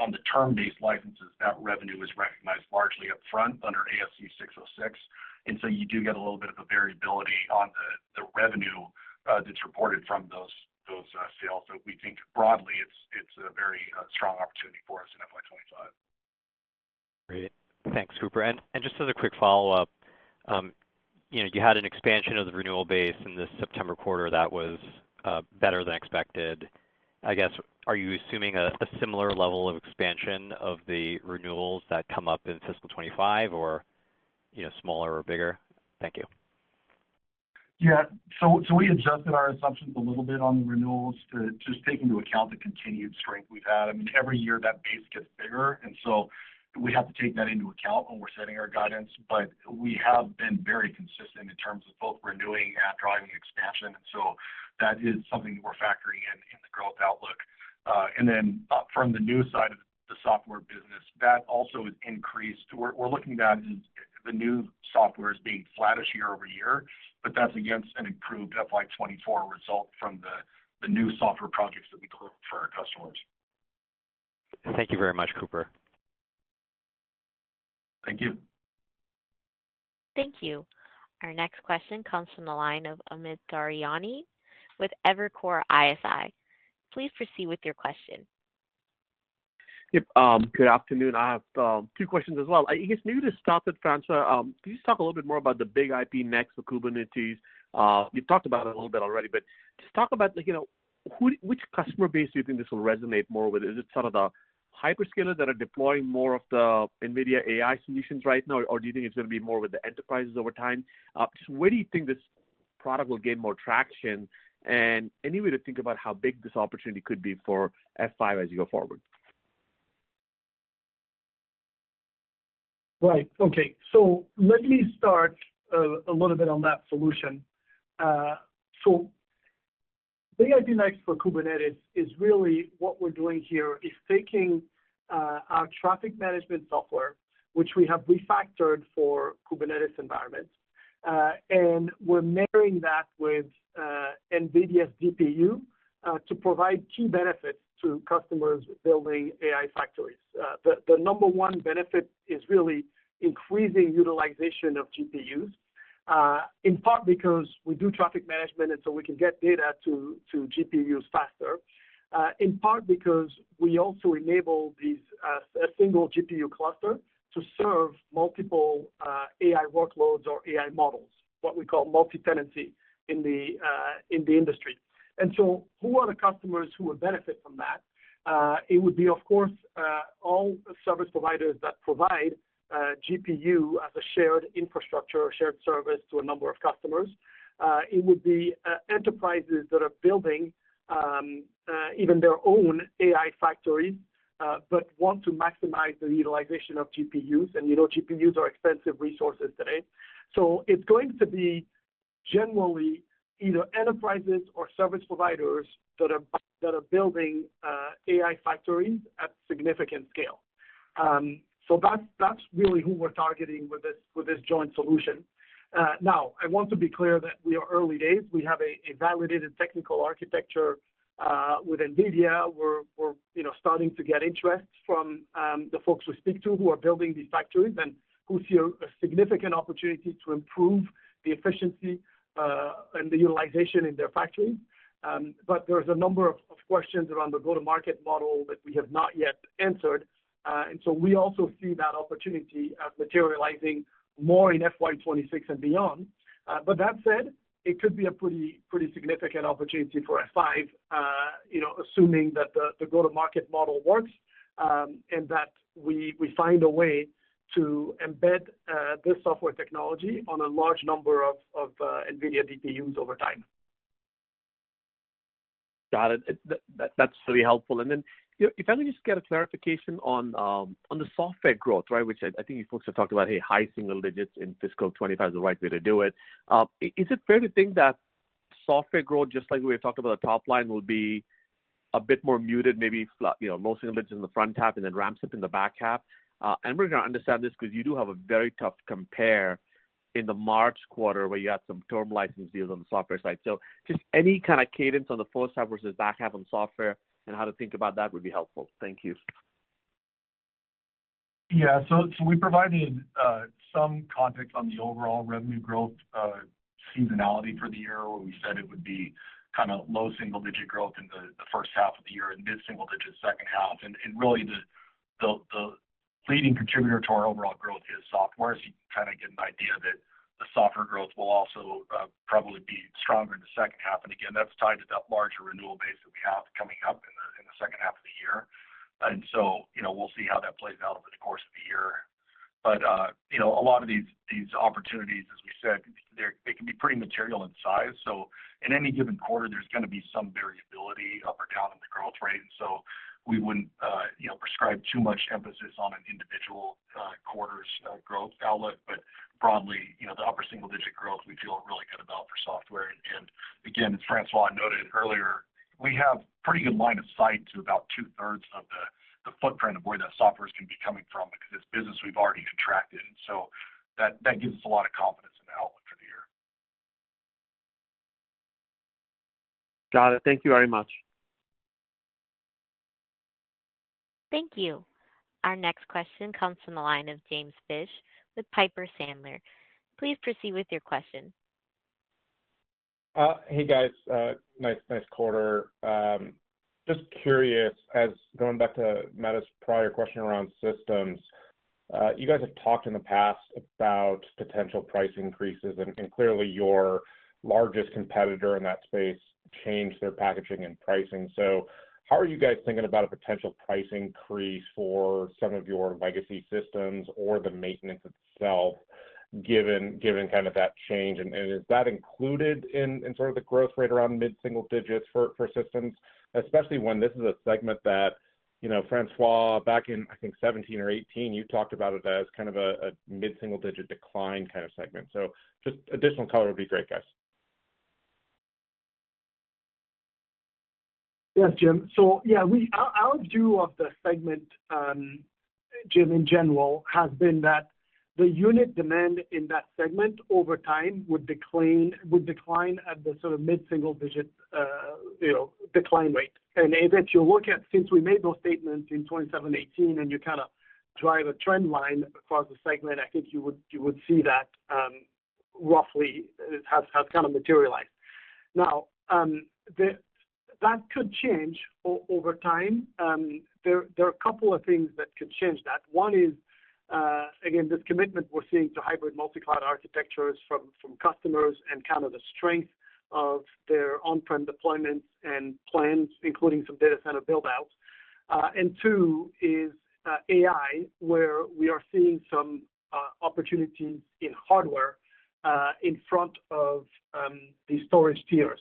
S5: on the term-based licenses, that revenue is recognized largely upfront under ASC 606. And so you do get a little bit of a variability on the revenue that's reported from those sales. But we think broadly, it's a very strong opportunity for us in FY twenty-five.
S8: Great. Thanks, Cooper. And just as a quick follow-up, you know, you had an expansion of the renewal base in the September quarter that was better than expected. I guess, are you assuming a similar level of expansion of the renewals that come up in fiscal twenty-five, or, you know, smaller or bigger? Thank you.
S5: Yeah. So, so we adjusted our assumptions a little bit on the renewals to just take into account the continued strength we've had. I mean, every year, that base gets bigger, and so we have to take that into account when we're setting our guidance. But we have been very consistent in terms of both renewing and driving expansion, and so that is something we're factoring in in the growth outlook. And then from the new side of the software business, that also has increased. We're looking at the new softwares being flattish year over year, but that's against an improved FY 2024 result from the new software projects that we booked for our customers.
S8: Thank you very much, Cooper.
S5: Thank you.
S1: Thank you. Our next question comes from the line of Amit Daryanani with Evercore ISI. Please proceed with your question.
S9: Yep. Good afternoon. I have two questions as well. I guess maybe to start with, François, can you just talk a little bit more about the BIG-IP Next for Kubernetes? You've talked about it a little bit already, but just talk about, like, you know, which customer base do you think this will resonate more with? Is it sort of the hyperscalers that are deploying more of the NVIDIA AI solutions right now, or do you think it's gonna be more with the enterprises over time? Just where do you think this product will gain more traction? And any way to think about how big this opportunity could be for F5 as you go forward?
S3: Right. Okay, so let me start a little bit on that solution. So BIG-IP Next for Kubernetes is really what we're doing here, is taking our traffic management software, which we have refactored for Kubernetes environments, and we're marrying that with NVIDIA's DPU to provide key benefits to customers building AI factories. The number one benefit is really increasing utilization of GPUs, in part because we do traffic management, and so we can get data to GPUs faster, in part because we also enable a single GPU cluster to serve multiple AI workloads or AI models, what we call multitenancy in the industry. So who are the customers who would benefit from that? It would be, of course, all service providers that provide GPU as a shared infrastructure or shared service to a number of customers. It would be enterprises that are building even their own AI factories, but want to maximize the utilization of GPUs, and, you know, GPUs are expensive resources today. So it's going to be generally either enterprises or service providers that are building AI factories at significant scale. So that's really who we're targeting with this joint solution. Now I want to be clear that we are early days. We have a validated technical architecture with NVIDIA. We're you know starting to get interest from the folks we speak to who are building these factories and who see a significant opportunity to improve the efficiency and the utilization in their factories. But there's a number of questions around the go-to-market model that we have not yet answered and so we also see that opportunity as materializing more in FY 2026 and beyond. But that said, it could be a pretty significant opportunity for F5 you know assuming that the go-to-market model works and that we find a way to embed this software technology on a large number of NVIDIA DPUs over time.
S9: Got it. That, that's really helpful. And then, if I could just get a clarification on the software growth, right, which I think you folks have talked about, high single digits in fiscal 2025 is the right way to do it. Is it fair to think that software growth, just like we had talked about the top line, will be a bit more muted, maybe flat, you know, low single digits in the front half and then ramps up in the back half? And we're going to understand this because you do have a very tough compare in the March quarter, where you had some term license deals on the software side. So just any kind of cadence on the H1 versus back half on software and how to think about that would be helpful. Thank you.
S5: Yeah, so we provided some context on the overall revenue growth, seasonality for the year, where we said it would be kind of low single-digit growth in the H1 of the year and mid-single digit H2. And really the leading contributor to our overall growth is software. So you kind of get an idea that the software growth will also probably be stronger in the H2. And again, that's tied to that larger renewal base that we have coming up in the H2 of the year. And so, you know, we'll see how that plays out over the course of the year. But you know, a lot of these opportunities, as we said, they can be pretty material in size. So in any given quarter, there's going to be some variability up or down in the growth rate. And so we wouldn't, you know, prescribe too much emphasis on an individual quarter's growth outlook. But broadly, you know, the upper single digit growth, we feel really good about for software. And, again, as François noted earlier, we have pretty good line of sight to about two-thirds of the footprint of where that software is going to be coming from, because it's business we've already contracted. So that gives us a lot of confidence in the outlook for the year.
S9: Got it. Thank you very much.
S1: Thank you. Our next question comes from the line of James Fish with Piper Sandler. Please proceed with your question.
S10: Hey, guys, nice quarter. Just curious, going back to Matt's prior question around systems, you guys have talked in the past about potential price increases, and clearly your largest competitor in that space changed their packaging and pricing. So how are you guys thinking about a potential price increase for some of your legacy systems or the maintenance itself, given kind of that change? And is that included in sort of the growth rate around mid single digits for systems? Especially when this is a segment that, you know, François, back in, I think 2017 or 2018, you talked about it as kind of a mid-single digit decline kind of segment. So just additional color would be great, guys.
S3: Yes, Jim. So yeah, we, our view of the segment, Jim, in general, has been that the unit demand in that segment over time would decline at the sort of mid-single-digit, you know, decline rate. And if you look at since we made those statements in twenty seventeen, eighteen, and you kind of drive a trend line across the segment, I think you would see that, roughly it has kind of materialized. Now, that could change over time. There are a couple of things that could change that. One is, again, this commitment we're seeing to hybrid multi-cloud architectures from customers and kind of the strength of their on-prem deployments and plans, including some data center buildouts. And two is AI, where we are seeing some opportunities in hardware in front of these storage tiers.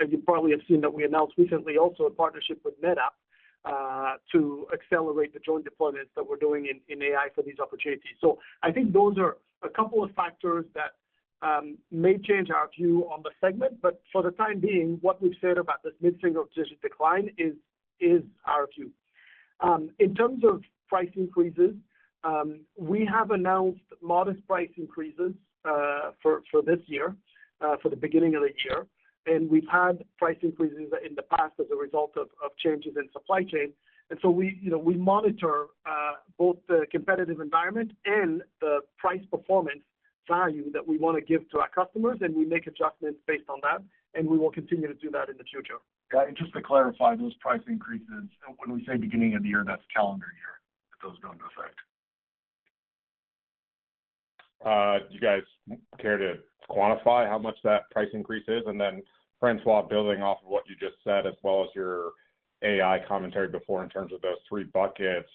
S3: As you probably have seen that we announced recently also a partnership with NetApp to accelerate the joint deployments that we're doing in AI for these opportunities. So I think those are a couple of factors that may change our view on the segment. But for the time being, what we've said about this mid-single-digit decline is our view. In terms of price increases, we have announced modest price increases for this year for the beginning of the year, and we've had price increases in the past as a result of changes in supply chain. And so we, you know, we monitor both the competitive environment and the price performance value that we want to give to our customers, and we make adjustments based on that, and we will continue to do that in the future.
S5: Yeah, and just to clarify those price increases, when we say beginning of the year, that's calendar year that those go into effect.
S10: Do you guys care to quantify how much that price increase is? And then, François, building off of what you just said, as well as your AI commentary before in terms of those three buckets,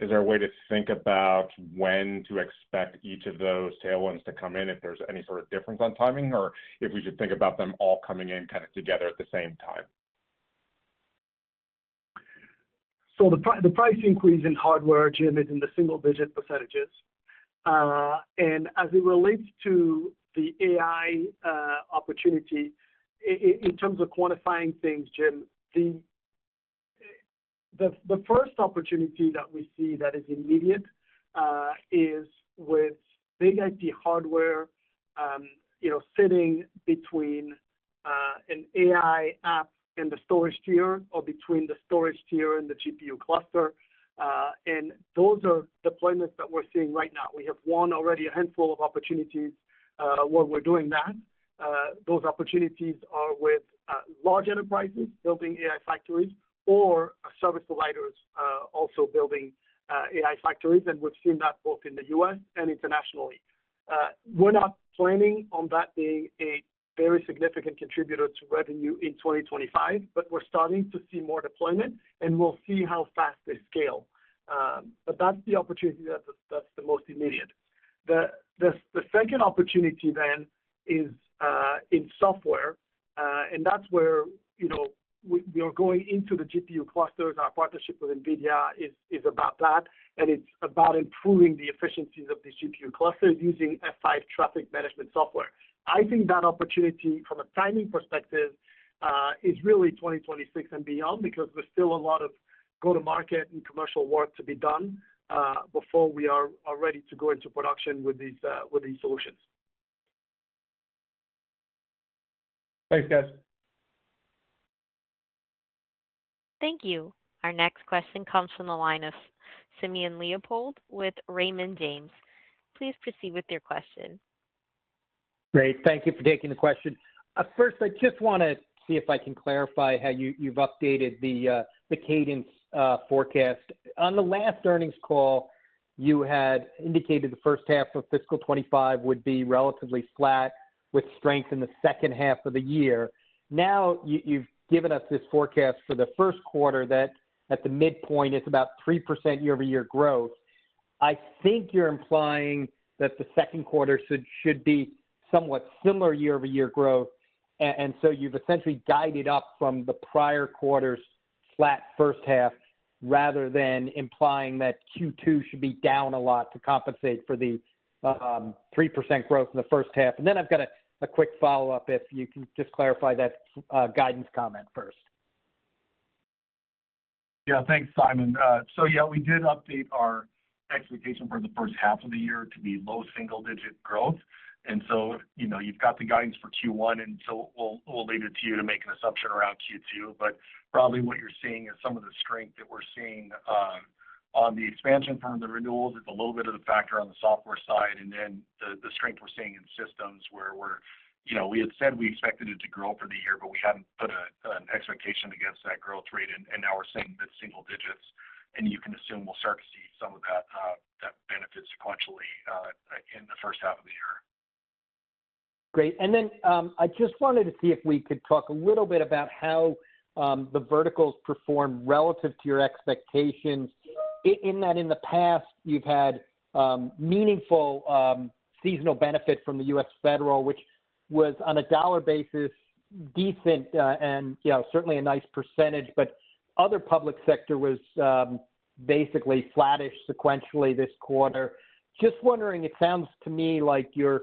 S10: is there a way to think about when to expect each of those tailwinds to come in, if there's any sort of difference on timing, or if we should think about them all coming in kind of together at the same time?
S3: So the price increase in hardware, Jim, is in the single-digit %. And as it relates to the AI opportunity, in terms of quantifying things, Jim, the first opportunity that we see that is immediate is with BIG-IP hardware, you know, sitting between an AI app and the storage tier or between the storage tier and the GPU cluster. And those are deployments that we're seeing right now. We have won already a handful of opportunities where we're doing that. Those opportunities are with large enterprises building AI factories or service providers also building AI factories, and we've seen that both in the U.S. and internationally. We're not planning on that being a very significant contributor to revenue in 2025, but we're starting to see more deployment, and we'll see how fast they scale. But that's the opportunity that's the most immediate. The second opportunity then is in software, and that's where, you know, we are going into the GPU clusters. Our partnership with NVIDIA is about that, and it's about improving the efficiencies of these GPU clusters using F5 traffic management software. I think that opportunity, from a timing perspective, is really 2026 and beyond, because there's still a lot of go-to-market and commercial work to be done before we are ready to go into production with these solutions.
S10: Thanks, guys.
S1: Thank you. Our next question comes from the line of Simon Leopold with Raymond James. Please proceed with your question.
S11: Great. Thank you for taking the question. First, I just wanna see if I can clarify how you've updated the cadence forecast. On the last earnings call, you had indicated the H1 of fiscal 2025 would be relatively flat, with strength in the H2 of the year. Now, you've given us this forecast for the Q1 that, at the midpoint, is about 3% year-over-year growth. I think you're implying that the Q2 should be somewhat similar year-over-year growth. And so you've essentially guided up from the prior quarter's flat H1, rather than implying that Q2 should be down a lot to compensate for the 3% growth in the H1. And then I've got a quick follow-up, if you can just clarify that guidance comment first.
S5: Yeah. Thanks, Simon. So yeah, we did update our expectation for the H1 of the year to be low single-digit growth, and so you know you've got the guidance for Q1, and so we'll leave it to you to make an assumption around Q2. But probably what you're seeing is some of the strength that we're seeing on the expansion from the renewals. It's a little bit of the factor on the software side, and then the strength we're seeing in systems. You know, we had said we expected it to grow for the year, but we hadn't put an expectation against that growth rate, and now we're seeing mid-single digits. And you can assume we'll start to see some of that benefit sequentially in the H1 of the year.
S11: Great. And then, I just wanted to see if we could talk a little bit about how the verticals performed relative to your expectations, in that in the past, you've had meaningful seasonal benefit from the U.S. Federal, which was, on a dollar basis, decent, and, you know, certainly a nice percentage. But other public sector was basically flattish sequentially this quarter. Just wondering, it sounds to me like your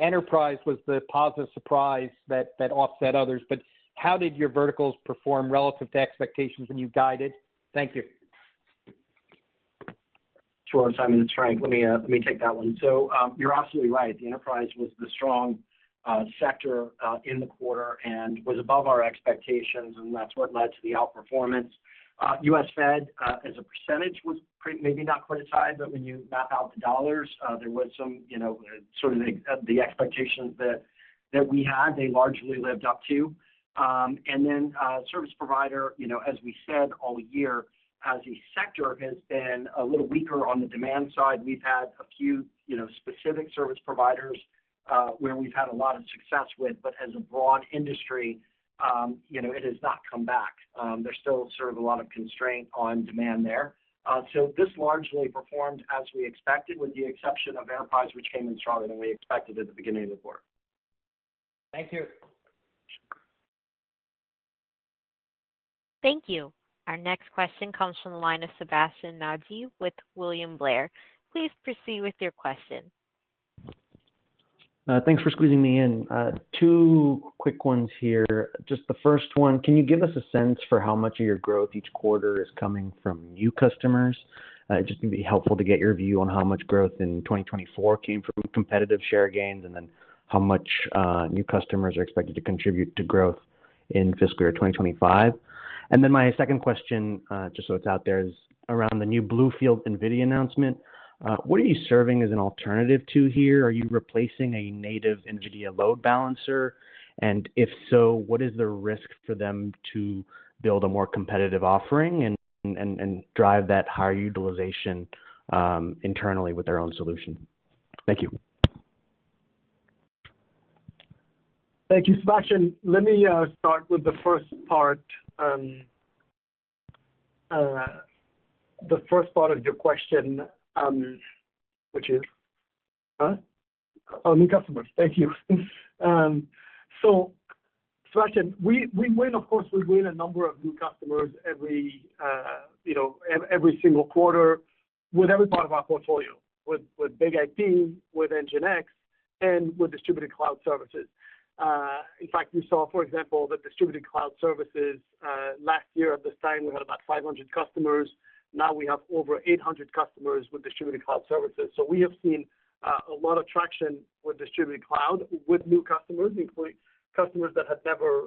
S11: enterprise was the positive surprise that offset others. But how did your verticals perform relative to expectations when you guided? Thank you.
S3: Sure, Simon, it's Frank. Let me take that one. So, you're absolutely right. The enterprise was the strong sector in the quarter and was above our expectations, and that's what led to the outperformance. U.S. Fed as a percentage was pretty maybe not quite as high, but when you map out the dollars, there was some, you know, sort of the expectations that we had, they largely lived up to. And then, service provider, you know, as we said all year, as a sector, has been a little weaker on the demand side. We've had a few, you know, specific service providers where we've had a lot of success with. But as a broad industry, you know, it has not come back. There's still sort of a lot of constraint on demand there. So this largely performed as we expected, with the exception of enterprise, which came in stronger than we expected at the beginning of the quarter.
S11: Thank you.
S1: Thank you. Our next question comes from the line of Sébastien Naji with William Blair. Please proceed with your question.
S12: Thanks for squeezing me in. Two quick ones here. Just the first one, can you give us a sense for how much of your growth each quarter is coming from new customers? It just would be helpful to get your view on how much growth in 2024 came from competitive share gains, and then how much new customers are expected to contribute to growth in fiscal year 2025. And then my second question, just so it's out there, is around the new BlueField and NVIDIA announcement. What are you serving as an alternative to here? Are you replacing a native NVIDIA load balancer? And if so, what is the risk for them to build a more competitive offering and drive that higher utilization internally with their own solution? Thank you.
S3: Thank you, Sébastien. Let me start with the first part of your question, which is new customers. Thank you. So Sébastien, we win, of course, a number of new customers every you know every single quarter with every part of our portfolio: with BIG-IP, with NGINX, and with Distributed Cloud Services. In fact, we saw, for example, that Distributed Cloud Services last year at this time, we had about 500 customers. Now we have over 800 customers with Distributed Cloud Services. So we have seen a lot of traction with Distributed Cloud, with new customers, including customers that have never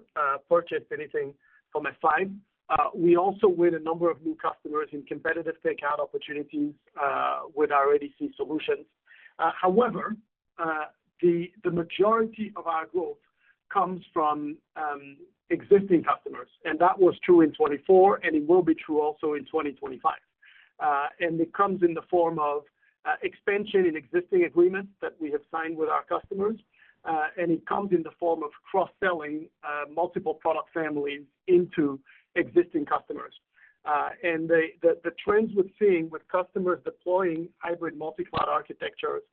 S3: purchased anything from F5. We also win a number of new customers in competitive takeout opportunities with our ADC solutions. However, the majority of our growth comes from existing customers, and that was true in 2024, and it will be true also in 2025. And it comes in the form of expansion in existing agreements that we have signed with our customers, and it comes in the form of cross-selling multiple product families into existing customers. And the trends we're seeing with customers deploying hybrid multi-cloud architectures,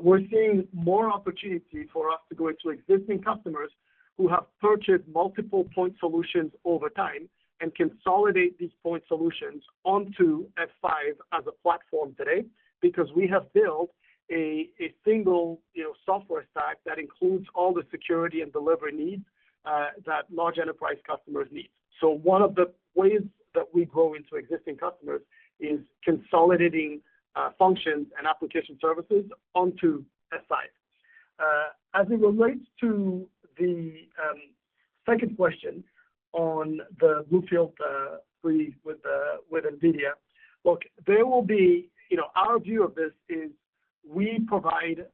S3: we're seeing more opportunity for us to go into existing customers who have purchased multiple point solutions over time and consolidate these point solutions onto F5 as a platform today, because we have built a single, you know, software stack that includes all the security and delivery needs that large enterprise customers need. So one of the ways that we grow into existing customers is consolidating functions and application services. As it relates to the second question on the BlueField release with NVIDIA, look, there will be you know, our view of this is we provide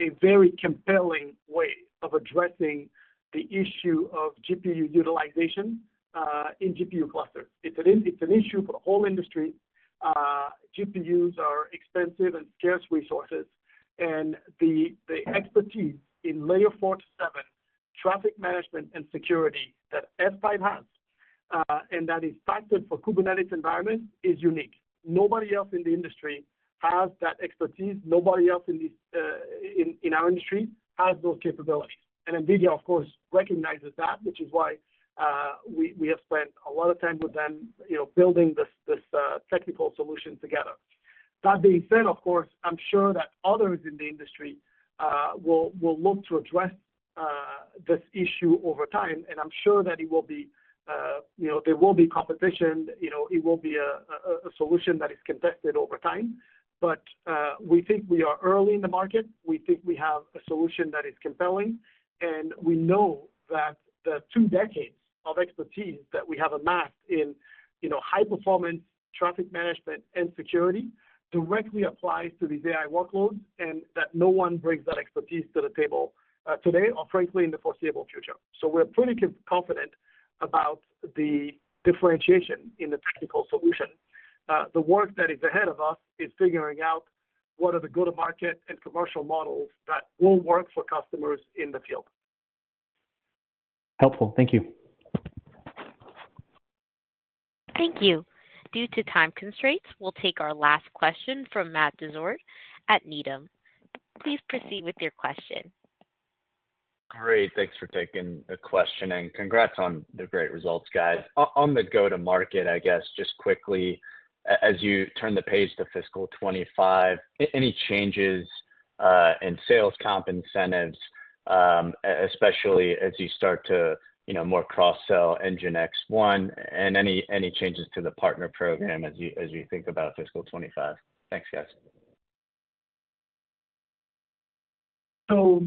S3: a very compelling way of addressing the issue of GPU utilization in GPU clusters. It's an issue for the whole industry. GPUs are expensive and scarce resources, and the expertise in layer four to seven traffic management and security that F5 has, and that is factored for Kubernetes environment, is unique. Nobody else in the industry has that expertise. Nobody else in this in our industry has those capabilities. NVIDIA, of course, recognizes that, which is why we have spent a lot of time with them, you know, building this technical solution together. That being said, of course, I'm sure that others in the industry will look to address this issue over time, and I'm sure that it will be, you know, there will be competition, you know, it will be a solution that is contested over time. We think we are early in the market. We think we have a solution that is compelling, and we know that the two decades of expertise that we have amassed in, you know, high-performance traffic management and security directly applies to these AI workloads, and that no one brings that expertise to the table, today, or frankly, in the foreseeable future. So we're pretty confident about the differentiation in the technical solution. The work that is ahead of us is figuring out what are the go-to-market and commercial models that will work for customers in the field.
S12: Helpful. Thank you.
S1: Thank you. Due to time constraints, we'll take our last question from Matt DeSort at Needham. Please proceed with your question.
S13: Great. Thanks for taking the question, and congrats on the great results, guys. On the go-to-market, I guess, just quickly, as you turn the page to fiscal twenty-five, any changes in sales comp incentives, especially as you start to, you know, more cross-sell NGINX One, and any changes to the partner program as you think about fiscal twenty-five? Thanks, guys.
S3: So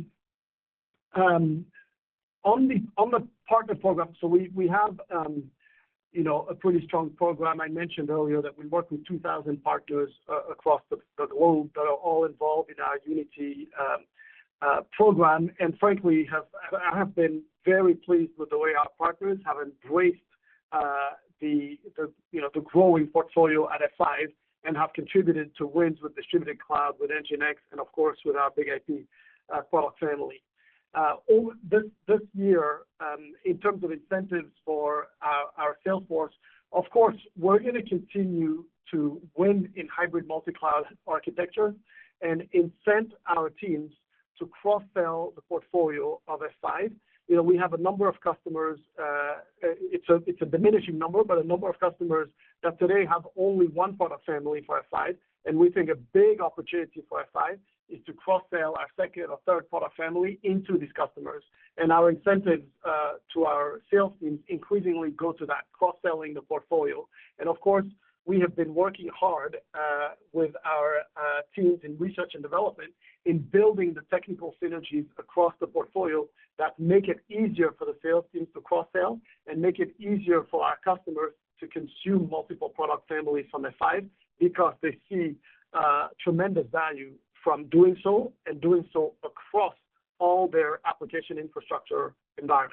S3: on the partner program, we have you know a pretty strong program. I mentioned earlier that we work with two thousand partners across the globe that are all involved in our Unity program. And frankly, I have been very pleased with the way our partners have embraced the you know the growing portfolio at F5 and have contributed to wins with distributed cloud, with NGINX, and of course, with our BIG-IP product family. Over this year, in terms of incentives for our sales force, of course, we're going to continue to win in hybrid multi-cloud architecture and incent our teams to cross-sell the portfolio of F5. You know, we have a number of customers. It's a diminishing number, but a number of customers that today have only one product family for F5, and we think a big opportunity for F5 is to cross-sell our second or third product family into these customers. And our incentives to our sales teams increasingly go to that, cross-selling the portfolio. And of course, we have been working hard with our teams in research and development in building the technical synergies across the portfolio that make it easier for the sales teams to cross-sell and make it easier for our customers to consume multiple product families from F5, because they see tremendous value from doing so and doing so across all their application infrastructure environments.